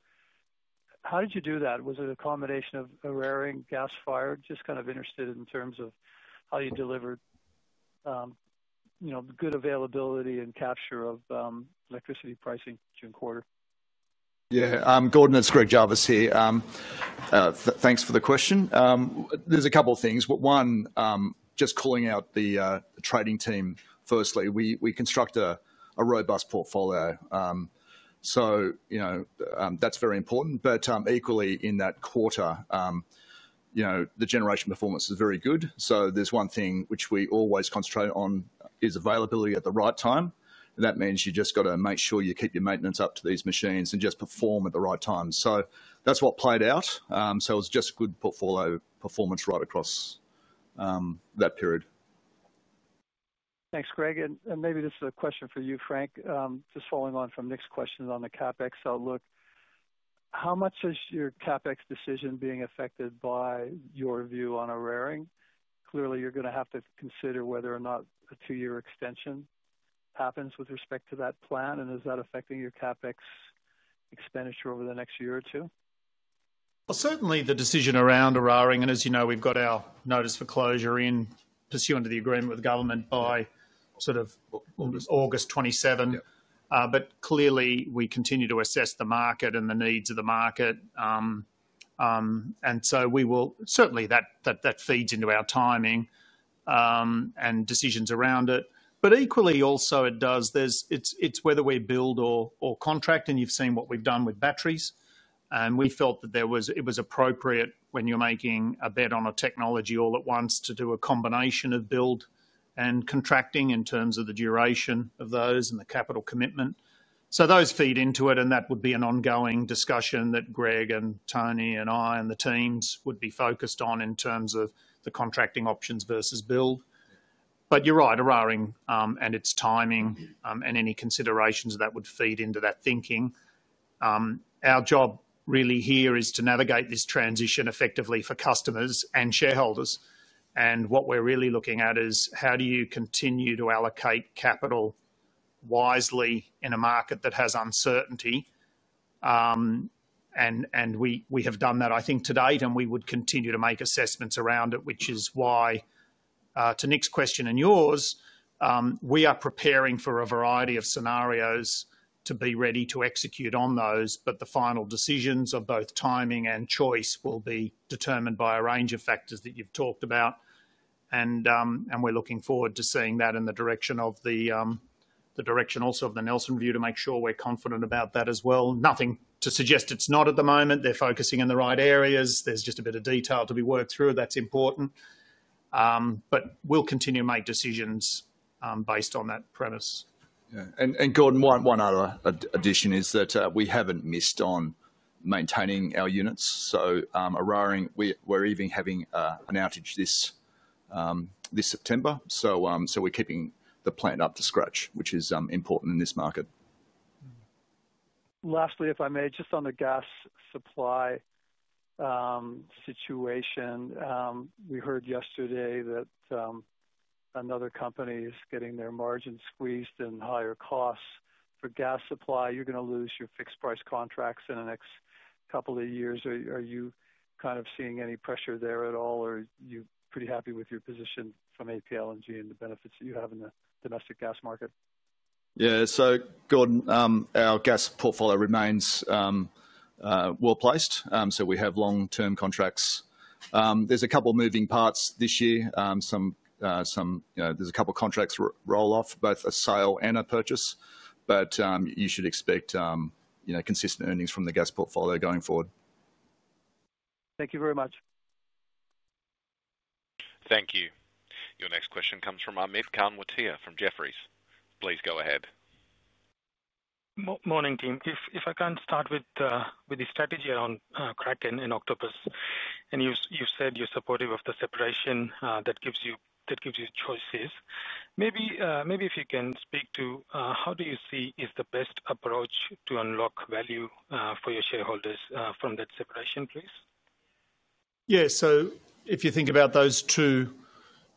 Speaker 7: How did you do that? Was it a combination of Eraring, gas-fired? Just kind of interested in terms of how you delivered good availability and capture of electricity pricing June quarter.
Speaker 8: Yeah, Gordon, it's Greg Jarvis here. Thanks for the question. There's a couple of things. One, just calling out the trading team. Firstly, we construct a robust portfolio. That's very important. Equally, in that quarter, the generation performance is very good. One thing which we always concentrate on is availability at the right time. That means you just got to make sure you keep your maintenance up to these machines and just perform at the right time. That's what played out. It was just good portfolio performance right across that period.
Speaker 7: Thanks, Greg. Maybe this is a question for you, Frank. Just following on from Nik's question on the CapEx outlook. How much is your CapEx decision being affected by your view on Eraring? Clearly, you're going to have to consider whether or not a two-year extension happens with respect to that plan. Is that affecting your CapEx expenditure over the next year or two?
Speaker 1: Certainly, the decision around Eraring, and as you know, we've got our notice for closure in pursuant to the agreement with government by sort of August 27. Clearly, we continue to assess the market and the needs of the market. We will certainly, that feeds into our timing and decisions around it. Equally, also it does, it's whether we build or contract, and you've seen what we've done with batteries. We felt that it was appropriate when you're making a bet on a technology all at once to do a combination of build and contracting in terms of the duration of those and the capital commitment. Those feed into it, and that would be an ongoing discussion that Greg and Tony and I and the teams would be focused on in terms of the contracting options versus build. You're right, Eraring and its timing and any considerations that would feed into that thinking. Our job really here is to navigate this transition effectively for customers and shareholders. What we're really looking at is how do you continue to allocate capital wisely in a market that has uncertainty. We have done that, I think, to date, and we would continue to make assessments around it, which is why, to Nik's question and yours, we are preparing for a variety of scenarios to be ready to execute on those. The final decisions of both timing and choice will be determined by a range of factors that you've talked about. We're looking forward to seeing that in the direction of the direction also of the Nelson view to make sure we're confident about that as well. Nothing to suggest it's not at the moment. They're focusing in the right areas. There's just a bit of detail to be worked through. That's important. We'll continue to make decisions based on that premise.
Speaker 8: Yeah. Gordon, one other addition is that we haven't missed on maintaining our units. Eraring, we're even having an outage this September. We're keeping the plant up to scratch, which is important in this market.
Speaker 7: Lastly, if I may, just on the gas supply situation, we heard yesterday that another company is getting their margin squeezed and higher costs for gas supply. You're going to lose your fixed price contracts in the next couple of years. Are you kind of seeing any pressure there at all, or are you pretty happy with your position from APLNG and the benefits that you have in the domestic gas market?
Speaker 8: Yeah, so Gordon, our gas portfolio remains well placed. We have long-term contracts. There's a couple of moving parts this year. There's a couple of contracts roll off, both a sale and a purchase. You should expect consistent earnings from the gas portfolio going forward.
Speaker 7: Thank you very much.
Speaker 3: Thank you. Your next question comes from Amit Kanwatia from Jefferies. Please go ahead.
Speaker 9: Morning team. If I can start with the strategy around Kraken and Octopus, and you said you're supportive of the separation that gives you choices. Maybe if you can speak to how you see is the best approach to unlock value for your shareholders from that separation, please?
Speaker 1: Yeah, so if you think about those two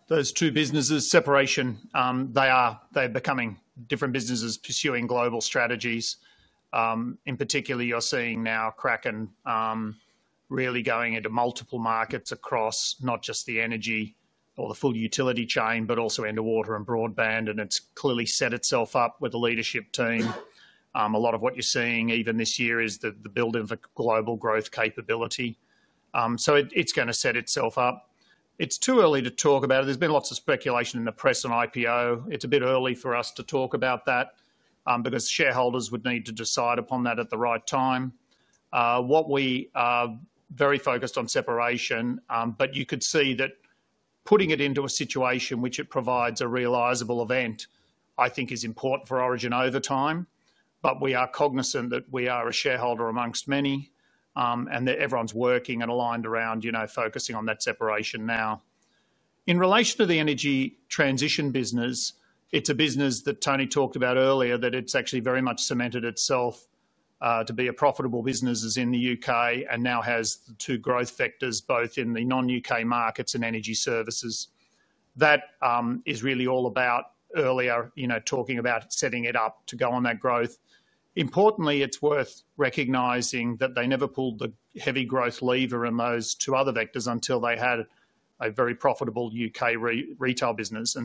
Speaker 1: businesses, separation, they are becoming different businesses pursuing global strategies. In particular, you're seeing now Kraken really going into multiple markets across not just the energy or the full utility chain, but also into water and broadband. It's clearly set itself up with a leadership team. A lot of what you're seeing even this year is the build of a global growth capability. It's going to set itself up. It's too early to talk about it. There's been lots of speculation in the press on IPO. It's a bit early for us to talk about that because shareholders would need to decide upon that at the right time. We are very focused on separation, but you could see that putting it into a situation which provides a realizable event, I think, is important for Origin over time. We are cognizant that we are a shareholder amongst many and that everyone's working and aligned around focusing on that separation now. In relation to the energy transition business, it's a business that Tony talked about earlier that has actually very much cemented itself to be a profitable business in the U.K. and now has two growth sectors, both in the non-U.K. markets and energy services. That is really all about earlier, talking about setting it up to go on that growth. Importantly, it's worth recognizing that they never pulled the heavy growth lever in those two other vectors until they had a very profitable U.K. retail business.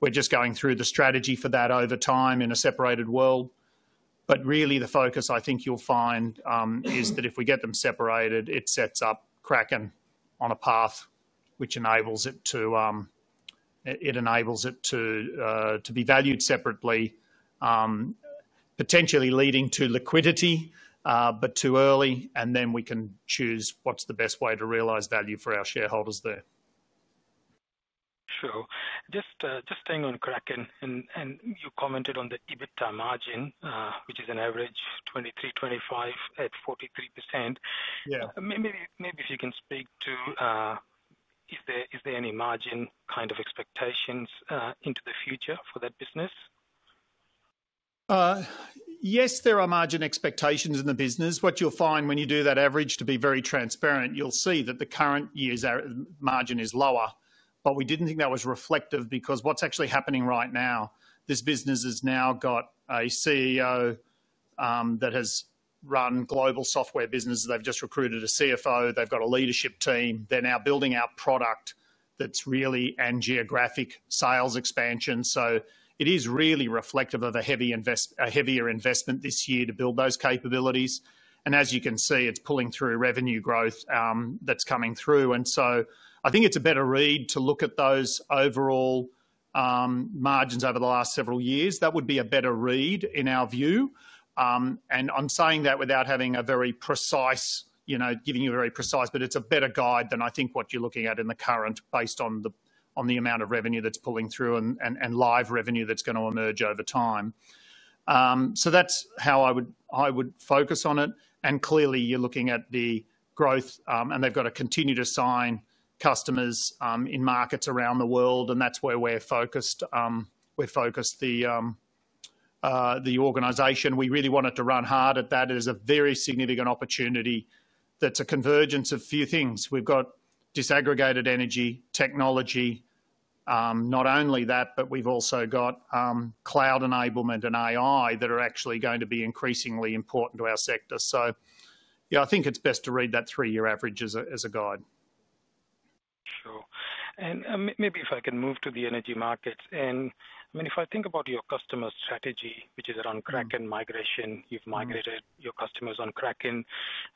Speaker 1: We're just going through the strategy for that over time in a separated world. The focus I think you'll find is that if we get them separated, it sets up Kraken on a path which enables it to be valued separately, potentially leading to liquidity, but too early. Then we can choose what's the best way to realize value for our shareholders there.
Speaker 9: Sure. Just staying on Kraken, and you commented on the EBITDA margin, which is an average 2023, 2025 at 43%. Yeah, maybe if you can speak to is there any margin kind of expectations into the future for that business?
Speaker 1: Yes, there are margin expectations in the business. What you'll find when you do that average, to be very transparent, you'll see that the current year's margin is lower. We didn't think that was reflective because what's actually happening right now, this business has now got a CEO that has run global software businesses. They've just recruited a CFO. They've got a leadership team. They're now building out product that's really geographic sales expansion. It is really reflective of a heavier investment this year to build those capabilities. As you can see, it's pulling through revenue growth that's coming through. I think it's a better read to look at those overall margins over the last several years. That would be a better read in our view. I'm saying that without having a very precise, you know, giving you a very precise, but it's a better guide than I think what you're looking at in the current based on the amount of revenue that's pulling through and live revenue that's going to emerge over time. That's how I would focus on it. Clearly, you're looking at the growth, and they've got to continue to sign customers in markets around the world. That's where we're focused. We're focused the organization. We really wanted to run hard at that. It is a very significant opportunity. That's a convergence of a few things. We've got disaggregated energy technology. Not only that, but we've also got cloud enablement and AI that are actually going to be increasingly important to our sector. I think it's best to read that three-year average as a guide.
Speaker 9: Sure. Maybe if I can move to the Energy Markets. I mean, if I think about your customer strategy, which is around Kraken migration, you've migrated your customers on Kraken.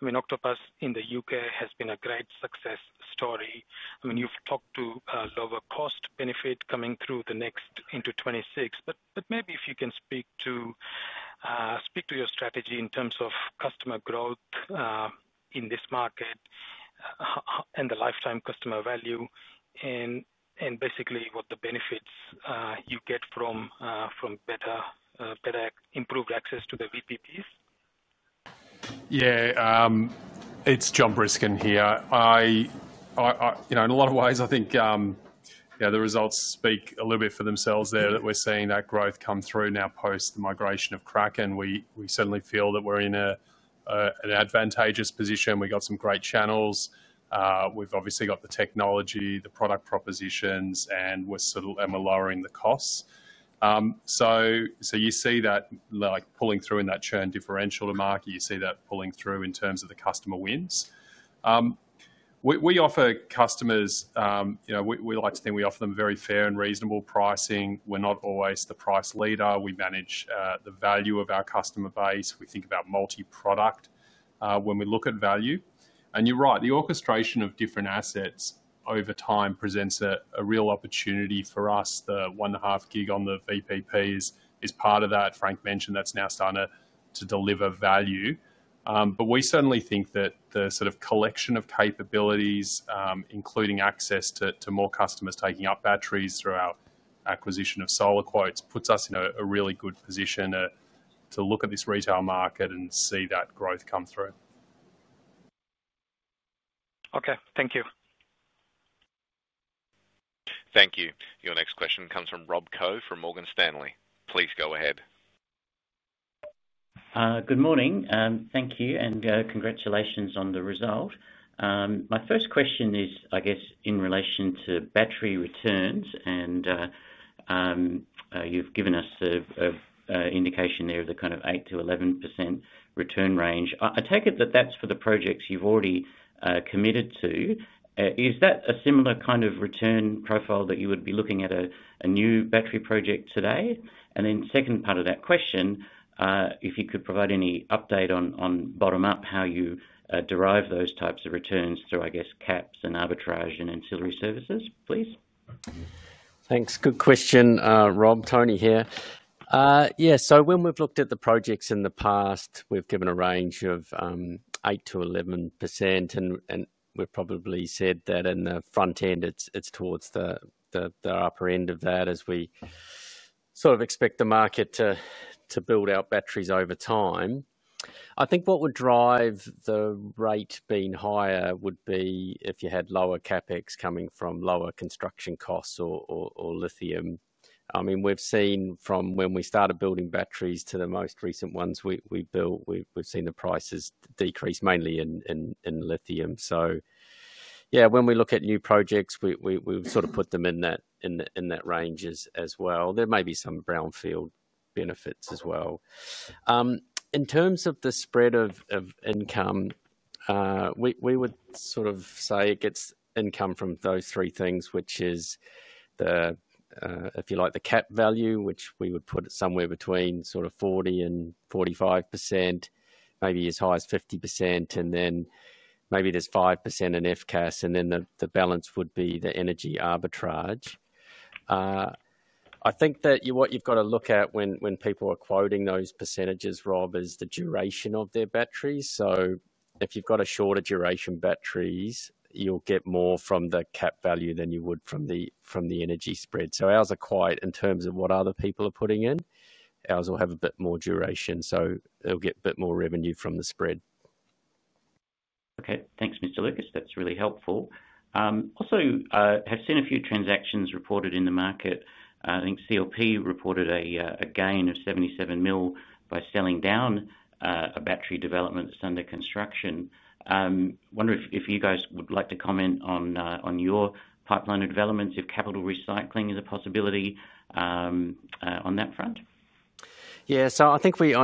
Speaker 9: Octopus in the U.K. has been a great success story. I mean, you've talked to the cost-benefit coming through the next into 2026. Maybe if you can speak to your strategy in terms of customer growth in this market and the lifetime customer value and basically what the benefits you get from better improved access to the VPPs.
Speaker 10: Yeah, it's Jon Briskin here. In a lot of ways, I think the results speak a little bit for themselves there that we're seeing that growth come through now post the migration of Kraken. We certainly feel that we're in an advantageous position. We've got some great channels. We've obviously got the technology, the product propositions, and we're sort of lowering the costs. You see that pulling through in that churn differential to market. You see that pulling through in terms of the customer wins. We offer customers, you know, we like to think we offer them very fair and reasonable pricing. We're not always the price leader. We manage the value of our customer base. We think about multi-product when we look at value. You're right, the orchestration of different assets over time presents a real opportunity for us. The one and a half gig on the VPPs is part of that. Frank mentioned that's now starting to deliver value. We certainly think that the sort of collection of capabilities, including access to more customers taking up batteries through our acquisition of Solar Quotes, puts us in a really good position to look at this retail market and see that growth come through.
Speaker 9: Okay, thank you.
Speaker 3: Thank you. Your next question comes from Rob Koh from Morgan Stanley. Please go ahead.
Speaker 11: Good morning. Thank you and congratulations on the result. My first question is, I guess, in relation to battery returns, and you've given us an indication there of the kind of 8%-11% return range. I take it that that's for the projects you've already committed to. Is that a similar kind of return profile that you would be looking at a new battery project today? The second part of that question, if you could provide any update on bottom-up how you derive those types of returns through, I guess, caps and arbitrage and ancillary services, please?
Speaker 2: Thanks. Good question. Rob, Tony here. Yeah, so when we've looked at the projects in the past, we've given a range of 8%-11%, and we've probably said that in the front end, it's towards the upper end of that as we sort of expect the market to build out batteries over time. I think what would drive the rate being higher would be if you had lower CapEx coming from lower construction costs or lithium. I mean, we've seen from when we started building batteries to the most recent ones we built, we've seen the prices decrease mainly in lithium. So yeah, when we look at new projects, we've sort of put them in that range as well. There may be some brownfield benefits as well. In terms of the spread of income, we would sort of say it gets income from those three things, which is, if you like, the cap value, which we would put it somewhere between sort of 40% and 45%, maybe as high as 50%, and then maybe there's 5% in FCAS, and then the balance would be the energy arbitrage. I think that what you've got to look at when people are quoting those percentages, Rob, is the duration of their batteries. If you've got shorter duration batteries, you'll get more from the cap value than you would from the energy spread. Ours are quite in terms of what other people are putting in. Ours will have a bit more duration, so it'll get a bit more revenue from the spread.
Speaker 11: Okay, thanks, Mr. Lucas. That's really helpful. Also, I have seen a few transactions reported in the market. I think CLP reported a gain of 77 million by selling down a battery development that's under construction. I wonder if you guys would like to comment on your pipeline of developments, if capital recycling is a possibility on that front.
Speaker 2: Yeah, I think we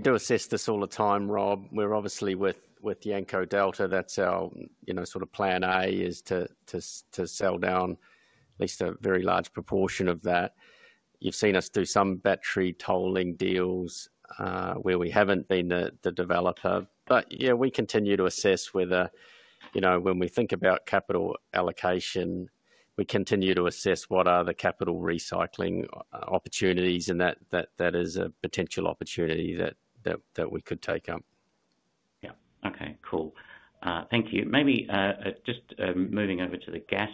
Speaker 2: do assess this all the time, Rob. We're obviously with Yanco Delta. That's our, you know, sort of plan A is to sell down at least a very large proportion of that. You've seen us do some battery tolling deals where we haven't been the developer. We continue to assess whether, you know, when we think about capital allocation, we continue to assess what are the capital recycling opportunities and that is a potential opportunity that we could take up.
Speaker 11: Yeah, okay, cool. Thank you. Maybe just moving over to the gas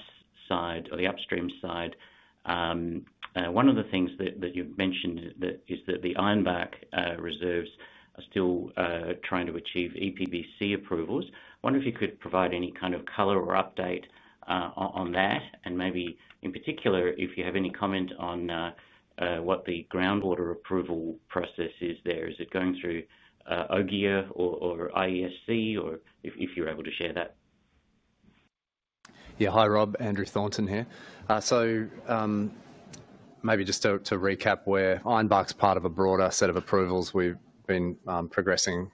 Speaker 11: side or the upstream side, one of the things that you've mentioned is that the Ironbark reserves are still trying to achieve EPBC approvals. I wonder if you could provide any kind of color or update on that and maybe in particular if you have any comment on what the groundwater approval process is there. Is it going through OGIA or IESC or if you're able to share that?
Speaker 12: Yeah, hi Rob, Andrew Thornton here. Maybe just to recap where Ironbark's part of a broader set of approvals, we've been progressing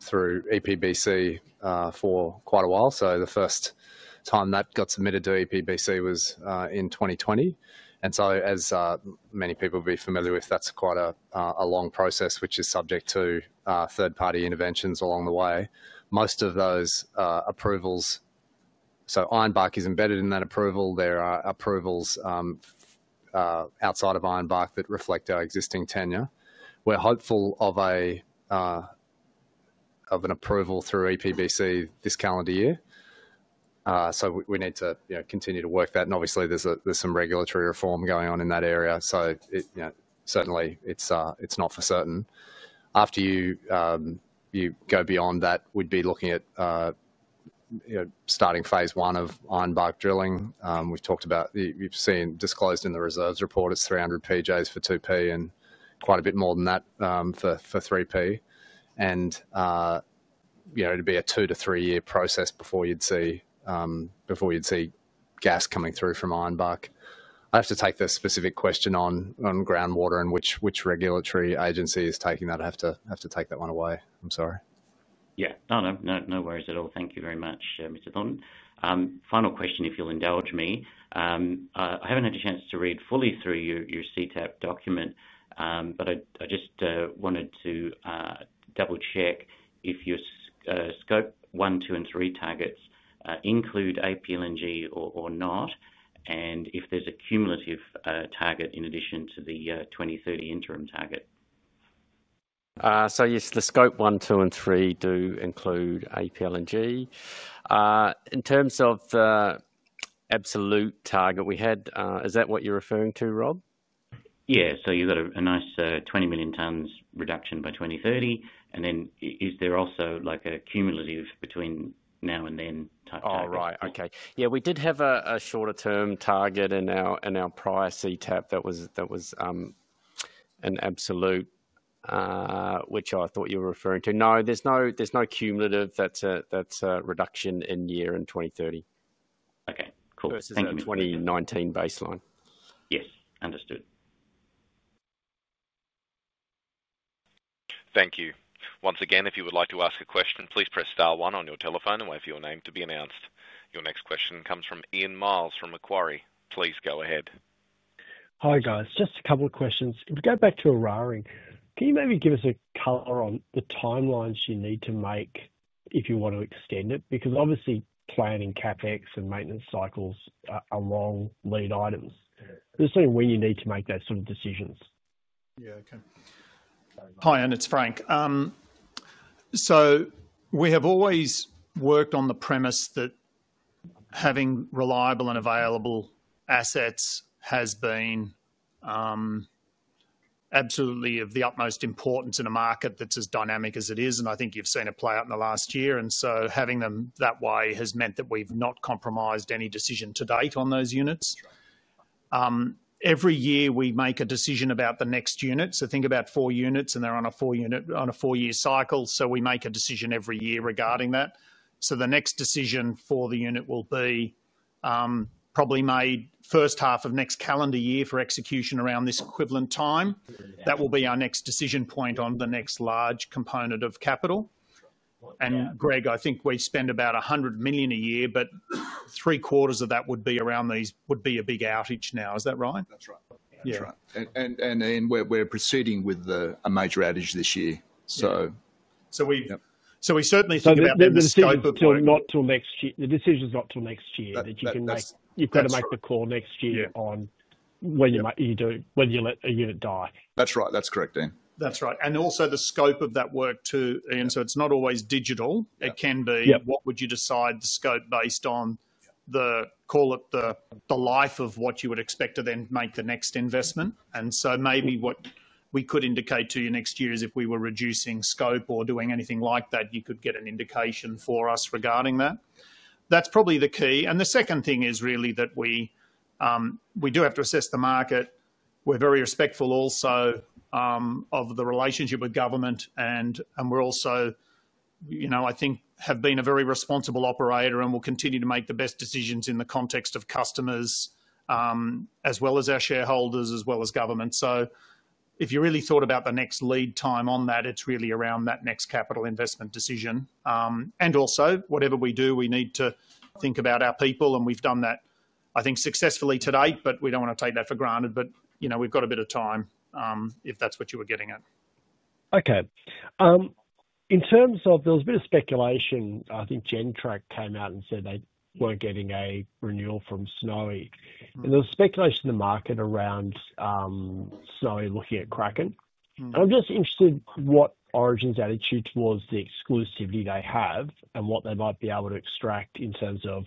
Speaker 12: through EPBC for quite a while. The first time that got submitted to EPBC was in 2020. As many people will be familiar with, that's quite a long process which is subject to third-party interventions along the way. Most of those approvals, Ironbark is embedded in that approval. There are approvals outside of Ironbark that reflect our existing tenure. We're hopeful of an approval through EPBC this calendar year. We need to continue to work that. Obviously, there's some regulatory reform going on in that area. Certainly, it's not for certain. After you go beyond that, we'd be looking at starting phase one of Ironbark drilling. We've talked about, you've seen disclosed in the reserves report as 300 PJs for 2P and quite a bit more than that for 3P. It'd be a two to three-year process before you'd see gas coming through from Ironbark. I have to take this specific question on groundwater and which regulatory agency is taking that. I have to take that one away. I'm sorry.
Speaker 11: No worries at all. Thank you very much, Mr. Thornton. Final question, if you'll indulge me. I haven't had a chance to read fully through your CTAP document, but I just wanted to double-check if your scope one, two, and three targets include APLNG or not, and if there's a cumulative target in addition to the 2030 interim target.
Speaker 2: Yes, the scope one, two, and three do include APLNG. In terms of the absolute target we had, is that what you're referring to, Rob?
Speaker 11: Yeah, so you've got a nice 20 million tons reduction by 2030. Is there also like a cumulative between now and then type of?
Speaker 2: Oh, right, okay. Yeah, we did have a shorter-term target in our prior CTAP that was an absolute, which I thought you were referring to. No, there's no cumulative. That's a reduction in year in 2030.
Speaker 11: Okay, cool.
Speaker 2: This is the 2019 baseline.
Speaker 11: Yes, understood.
Speaker 3: Thank you. Once again, if you would like to ask a question, please press star one on your telephone and wait for your name to be announced. Your next question comes from Ian Myles from Macquarie. Please go ahead.
Speaker 13: Hi guys, just a couple of questions. If we go back to Eraring, can you maybe give us a color on the timelines you need to make if you want to extend it? Because obviously planning CapEx and maintenance cycles are long lead items. There's something when you need to make those sort of decisions.
Speaker 1: Yeah, okay. Hi, and it's Frank. We have always worked on the premise that having reliable and available assets has been absolutely of the utmost importance in a market that's as dynamic as it is. I think you've seen it play out in the last year. Having them that way has meant that we've not compromised any decision to date on those units. Every year we make a decision about the next unit. Think about four units and they're on a four-year cycle. We make a decision every year regarding that. The next decision for the unit will be probably made first half of next calendar year for execution around this equivalent time. That will be our next decision point on the next large component of capital. Greg, I think we spend about 100 million a year, but three quarters of that would be around these, would be a big outage now. Is that right? Yeah, right.
Speaker 8: We're proceeding with a major outage this year.
Speaker 1: We certainly think about the scope of it.
Speaker 13: The decision is not till next year.
Speaker 1: That's right.
Speaker 13: You've got to make the call next year on when you do, whether you let a unit die.
Speaker 8: That's right. That's correct, Ian.
Speaker 1: That's right. Also, the scope of that work too, Ian, so it's not always digital. It can be, what would you decide the scope based on? Call it the life of what you would expect to then make the next investment. Maybe what we could indicate to you next year is if we were reducing scope or doing anything like that, you could get an indication from us regarding that. That's probably the key. The second thing is really that we do have to assess the market. We're very respectful also of the relationship with government. We're also, you know, I think have been a very responsible operator and will continue to make the best decisions in the context of customers as well as our shareholders, as well as government. If you really thought about the next lead time on that, it's really around that next capital investment decision. Also, whatever we do, we need to think about our people. We've done that, I think, successfully today, but we don't want to take that for granted. You know, we've got a bit of time if that's what you were getting at.
Speaker 13: Okay. In terms of there was a bit of speculation, I think GenTrak came out and said they weren't getting a renewal from Snowy. There was speculation in the market around Snowy looking at Kraken. I'm just interested in what Origin's attitude towards the exclusivity they have and what they might be able to extract in terms of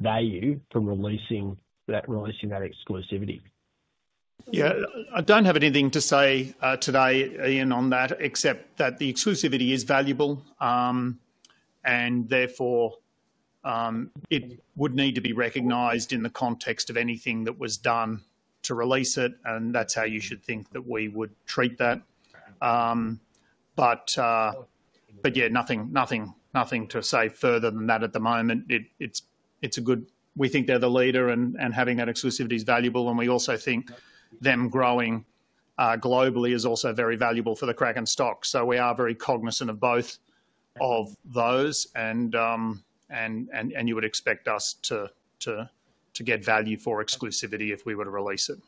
Speaker 13: value from releasing that exclusivity.
Speaker 1: I don't have anything to say today, Ian, on that except that the exclusivity is valuable. Therefore, it would need to be recognized in the context of anything that was done to release it. That's how you should think that we would treat that. Nothing to say further than that at the moment. We think they're the leader, and having that exclusivity is valuable. We also think them growing globally is also very valuable for the Kraken stock. We are very cognizant of both of those, and you would expect us to get value for exclusivity if we were to release it.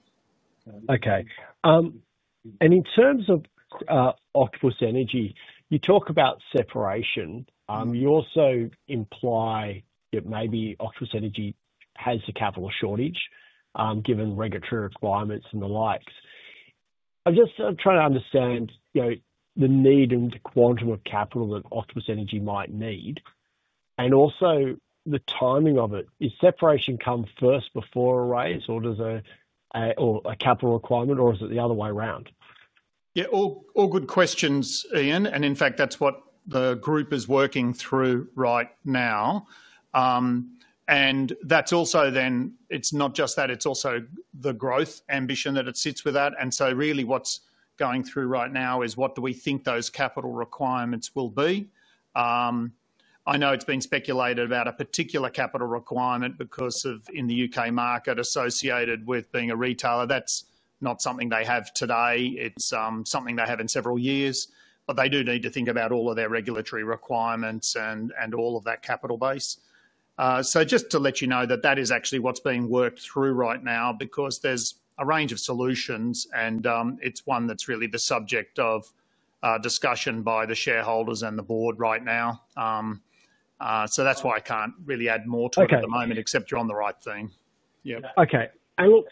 Speaker 13: Okay. In terms of Octopus Energy, you talk about separation. You also imply that maybe Octopus Energy has a capital shortage given regulatory requirements and the likes. I'm just trying to understand the need and the quantum of capital that Octopus Energy might need, and also the timing of it. Does separation come first before a raise, or does a capital requirement, or is it the other way around?
Speaker 1: All good questions, Ian. In fact, that's what the group is working through right now. It's not just that, it's also the growth ambition that it sits with that. Really what's going through right now is what do we think those capital requirements will be? I know it's been speculated about a particular capital requirement because of in the U.K. market associated with being a retailer. That's not something they have today. It's something they have in several years. They do need to think about all of their regulatory requirements and all of that capital base. Just to let you know that is actually what's being worked through right now because there's a range of solutions and it's one that's really the subject of discussion by the shareholders and the board right now. That's why I can't really add more to it at the moment except you're on the right thing.
Speaker 13: Okay.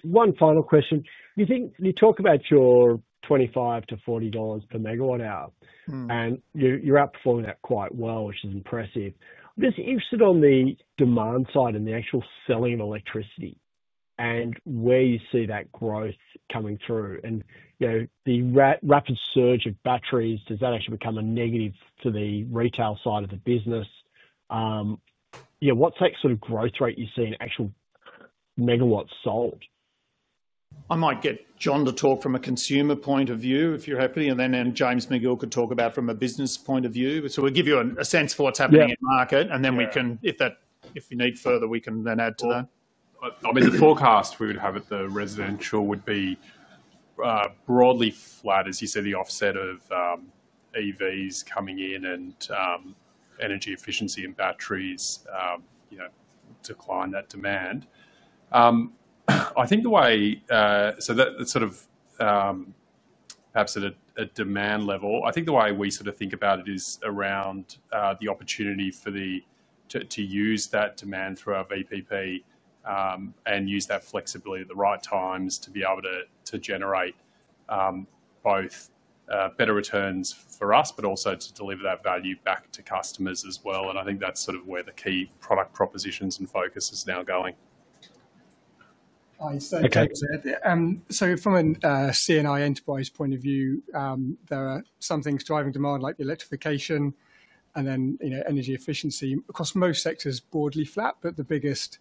Speaker 13: One final question. You talk about your 25-40 dollars per megawatt hour and you're outperforming that quite well, which is impressive. I'm just interested on the demand side and the actual selling of electricity and where you see that growth coming through. The rapid surge of batteries, does that actually become a negative for the retail side of the business? What's that sort of growth rate you see in actual megawatts sold?
Speaker 1: I might get Jon to talk from a consumer point of view if you're happy, and then James Magill could talk about from a business point of view. We'll give you a sense for what's happening in the market, and if you need further, we can then add to that.
Speaker 10: I mean, the forecast we would have at the residential would be broadly flat, as you said, the offset of EVs coming in and energy efficiency in batteries decline that demand. I think the way, so that's sort of perhaps at a demand level, I think the way we sort of think about it is around the opportunity to use that demand through our VPP and use that flexibility at the right times to be able to generate both better returns for us, but also to deliver that value back to customers as well. I think that's sort of where the key product propositions and focus is now going.
Speaker 14: I see. From a C&I enterprise point of view, there are some things driving demand like the electrification and then, you know, energy efficiency. Across most sectors, broadly flat, but the biggest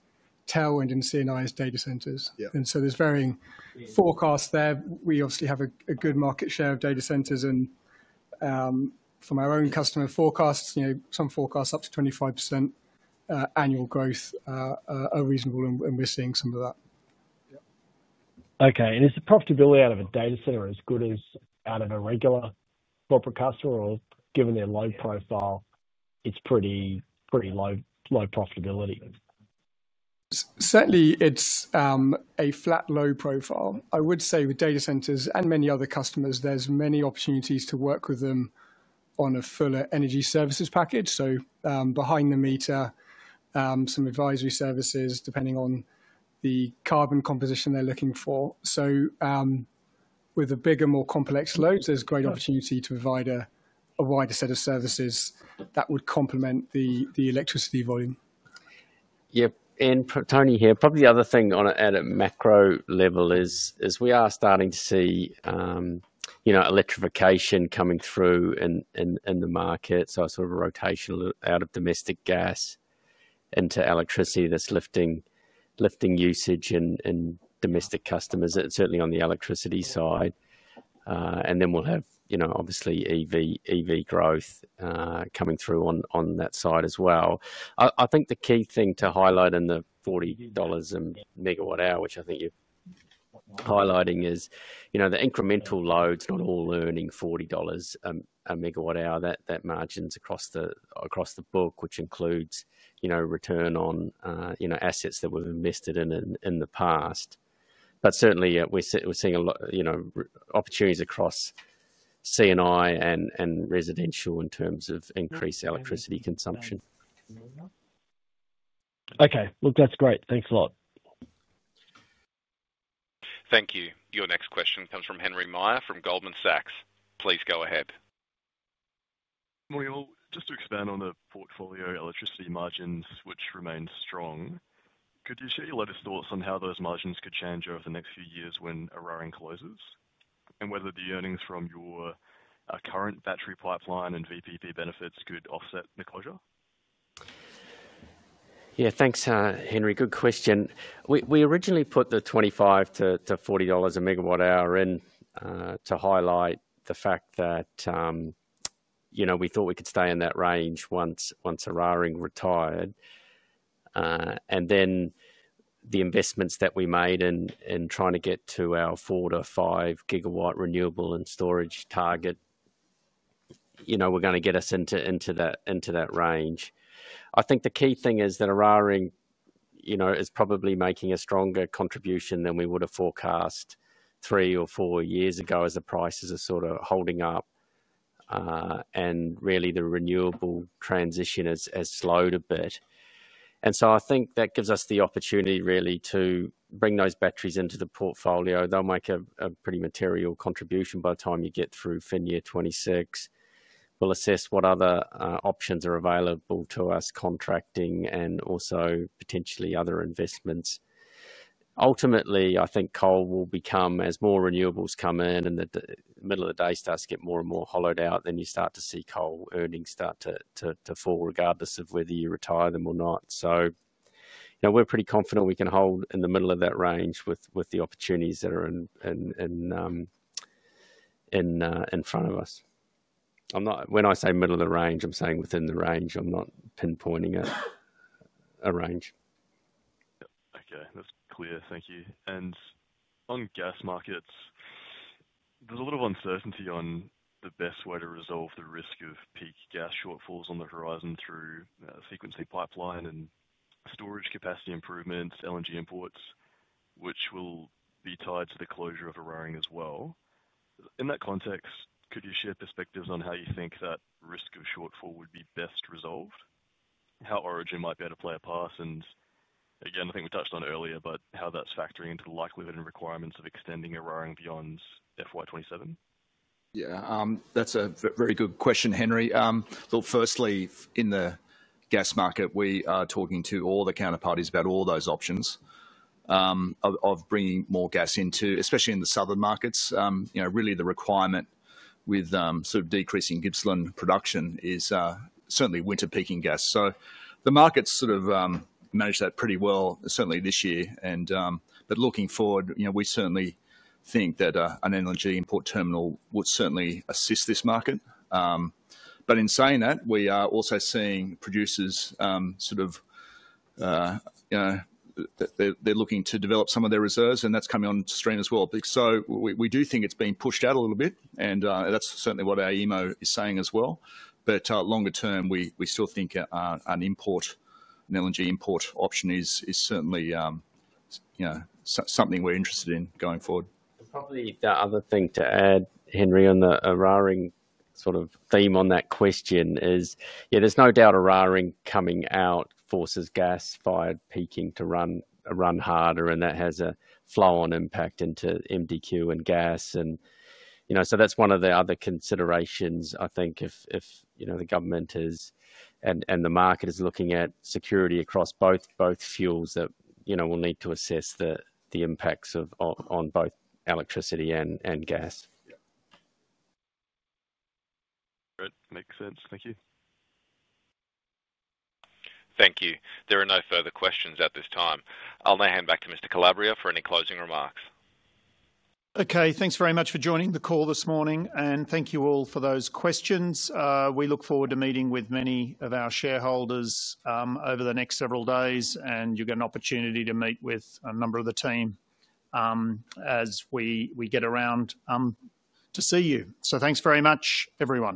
Speaker 14: tailwind in C&I is data centers. There are varying forecasts there. We obviously have a good market share of data centers and from our own customer forecasts, some forecasts up to 25% annual growth are reasonable and we're seeing some of that.
Speaker 13: Okay. Is the profitability out of a data center as good as out of a regular corporate customer, or given their low profile, it's pretty, pretty low profitability?
Speaker 14: Certainly, it's a flat low profile. I would say with data centers and many other customers, there's many opportunities to work with them on a fuller energy services package. Behind the meter, some advisory services depending on the carbon composition they're looking for. With a bigger, more complex load, there's a great opportunity to provide a wider set of services that would complement the electricity volume.
Speaker 2: Yeah, and Tony here, probably the other thing on it at a macro level is we are starting to see electrification coming through in the market. A sort of rotation out of domestic gas into electricity is lifting usage in domestic customers, certainly on the electricity side. We'll have, obviously, EV growth coming through on that side as well. I think the key thing to. The 40 dollars MWh, which I think you're highlighting, is, you know, the incremental load's not all earning 40 dollars MWh. That margin's across the book, which includes, you know, return on, you know, assets that were invested in in the past. Certainly, we're seeing a lot, you know, opportunities across C&I and residential in terms of increased electricity consumption.
Speaker 13: Okay, look, that's great. Thanks a lot.
Speaker 3: Thank you. Your next question comes from Henry Meyer from Goldman Sachs. Please go ahead.
Speaker 15: Mario, just to expand on the portfolio electricity margins, which remain strong, could you share your latest thoughts on how those margins could change over the next few years when Eraring closes? Whether the earnings from your current battery pipeline and VPP benefits could offset the closure?
Speaker 2: Yeah, thanks, Henry. Good question. We originally put the 25 MWh-AUD 40 MWh in to highlight the fact that, you know, we thought we could stay in that range once Eraring retired. The investments that we made in trying to get to our four to five gigawatt renewable and storage target, you know, were going to get us into that range. I think the key thing is that Eraring, you know, is probably making a stronger contribution than we would have forecast three or four years ago as the prices are sort of holding up. Really, the renewable transition has slowed a bit. I think that gives us the opportunity to bring those batteries into the portfolio. They'll make a pretty material contribution by the time you get through financial year 2026. We'll assess what other options are available to us, contracting and also potentially other investments. Ultimately, I think coal will become, as more renewables come in and the middle of the day starts to get more and more hollowed out, then you start to see coal earnings start to fall regardless of whether you retire them or not. We're pretty confident we can hold in the middle of that range with the opportunities that are in front of us. When I say middle of the range, I'm saying within the range. I'm not pinpointing a range.
Speaker 15: Okay, that's clear. Thank you. On gas markets, there's a lot of uncertainty on the best way to resolve the risk of peak gas shortfalls on the horizon through the frequency pipeline and storage capacity improvements, LNG imports, which will be tied to the closure of Eraring as well. In that context, could you share perspectives on how you think that risk of shortfall would be best resolved? How Origin might be able to play a part? I think we touched on earlier how that's factoring into the likelihood and requirements of extending Eraring beyond FY 2027.
Speaker 8: Yeah, that's a very good question, Henry. Look, firstly, in the gas market, we are talking to all the counterparties about all those options of bringing more gas into, especially in the southern markets. The requirement with sort of decreasing Gippsland production is certainly winter peaking gas. The markets sort of manage that pretty well, certainly this year. Looking forward, we certainly think that an LNG import terminal would certainly assist this market. In saying that, we are also seeing producers, they're looking to develop some of their reserves and that's coming on to stream as well. We do think it's being pushed out a little bit and that's certainly what our email is saying as well. Longer term, we still think an LNG import option is certainly something we're interested in going forward.
Speaker 2: Probably the other thing to add, Henry, on the rowing sort of theme on that question is, yeah, there's no doubt a rowing coming out forces gas-fired peaking to run harder, and that has a flow-on impact into MDQ and gas. That's one of the other considerations. I think if the government is and the market is looking at security across both fuels, we'll need to assess the impacts on both electricity and gas.
Speaker 15: That makes sense. Thank you.
Speaker 3: Thank you. There are no further questions at this time. I'll now hand back to Mr. Calabria for any closing remarks.
Speaker 1: Okay, thanks very much for joining the call this morning and thank you all for those questions. We look forward to meeting with many of our shareholders over the next several days, and you get an opportunity to meet with a number of the team as we get around to see you. Thanks very much, everyone.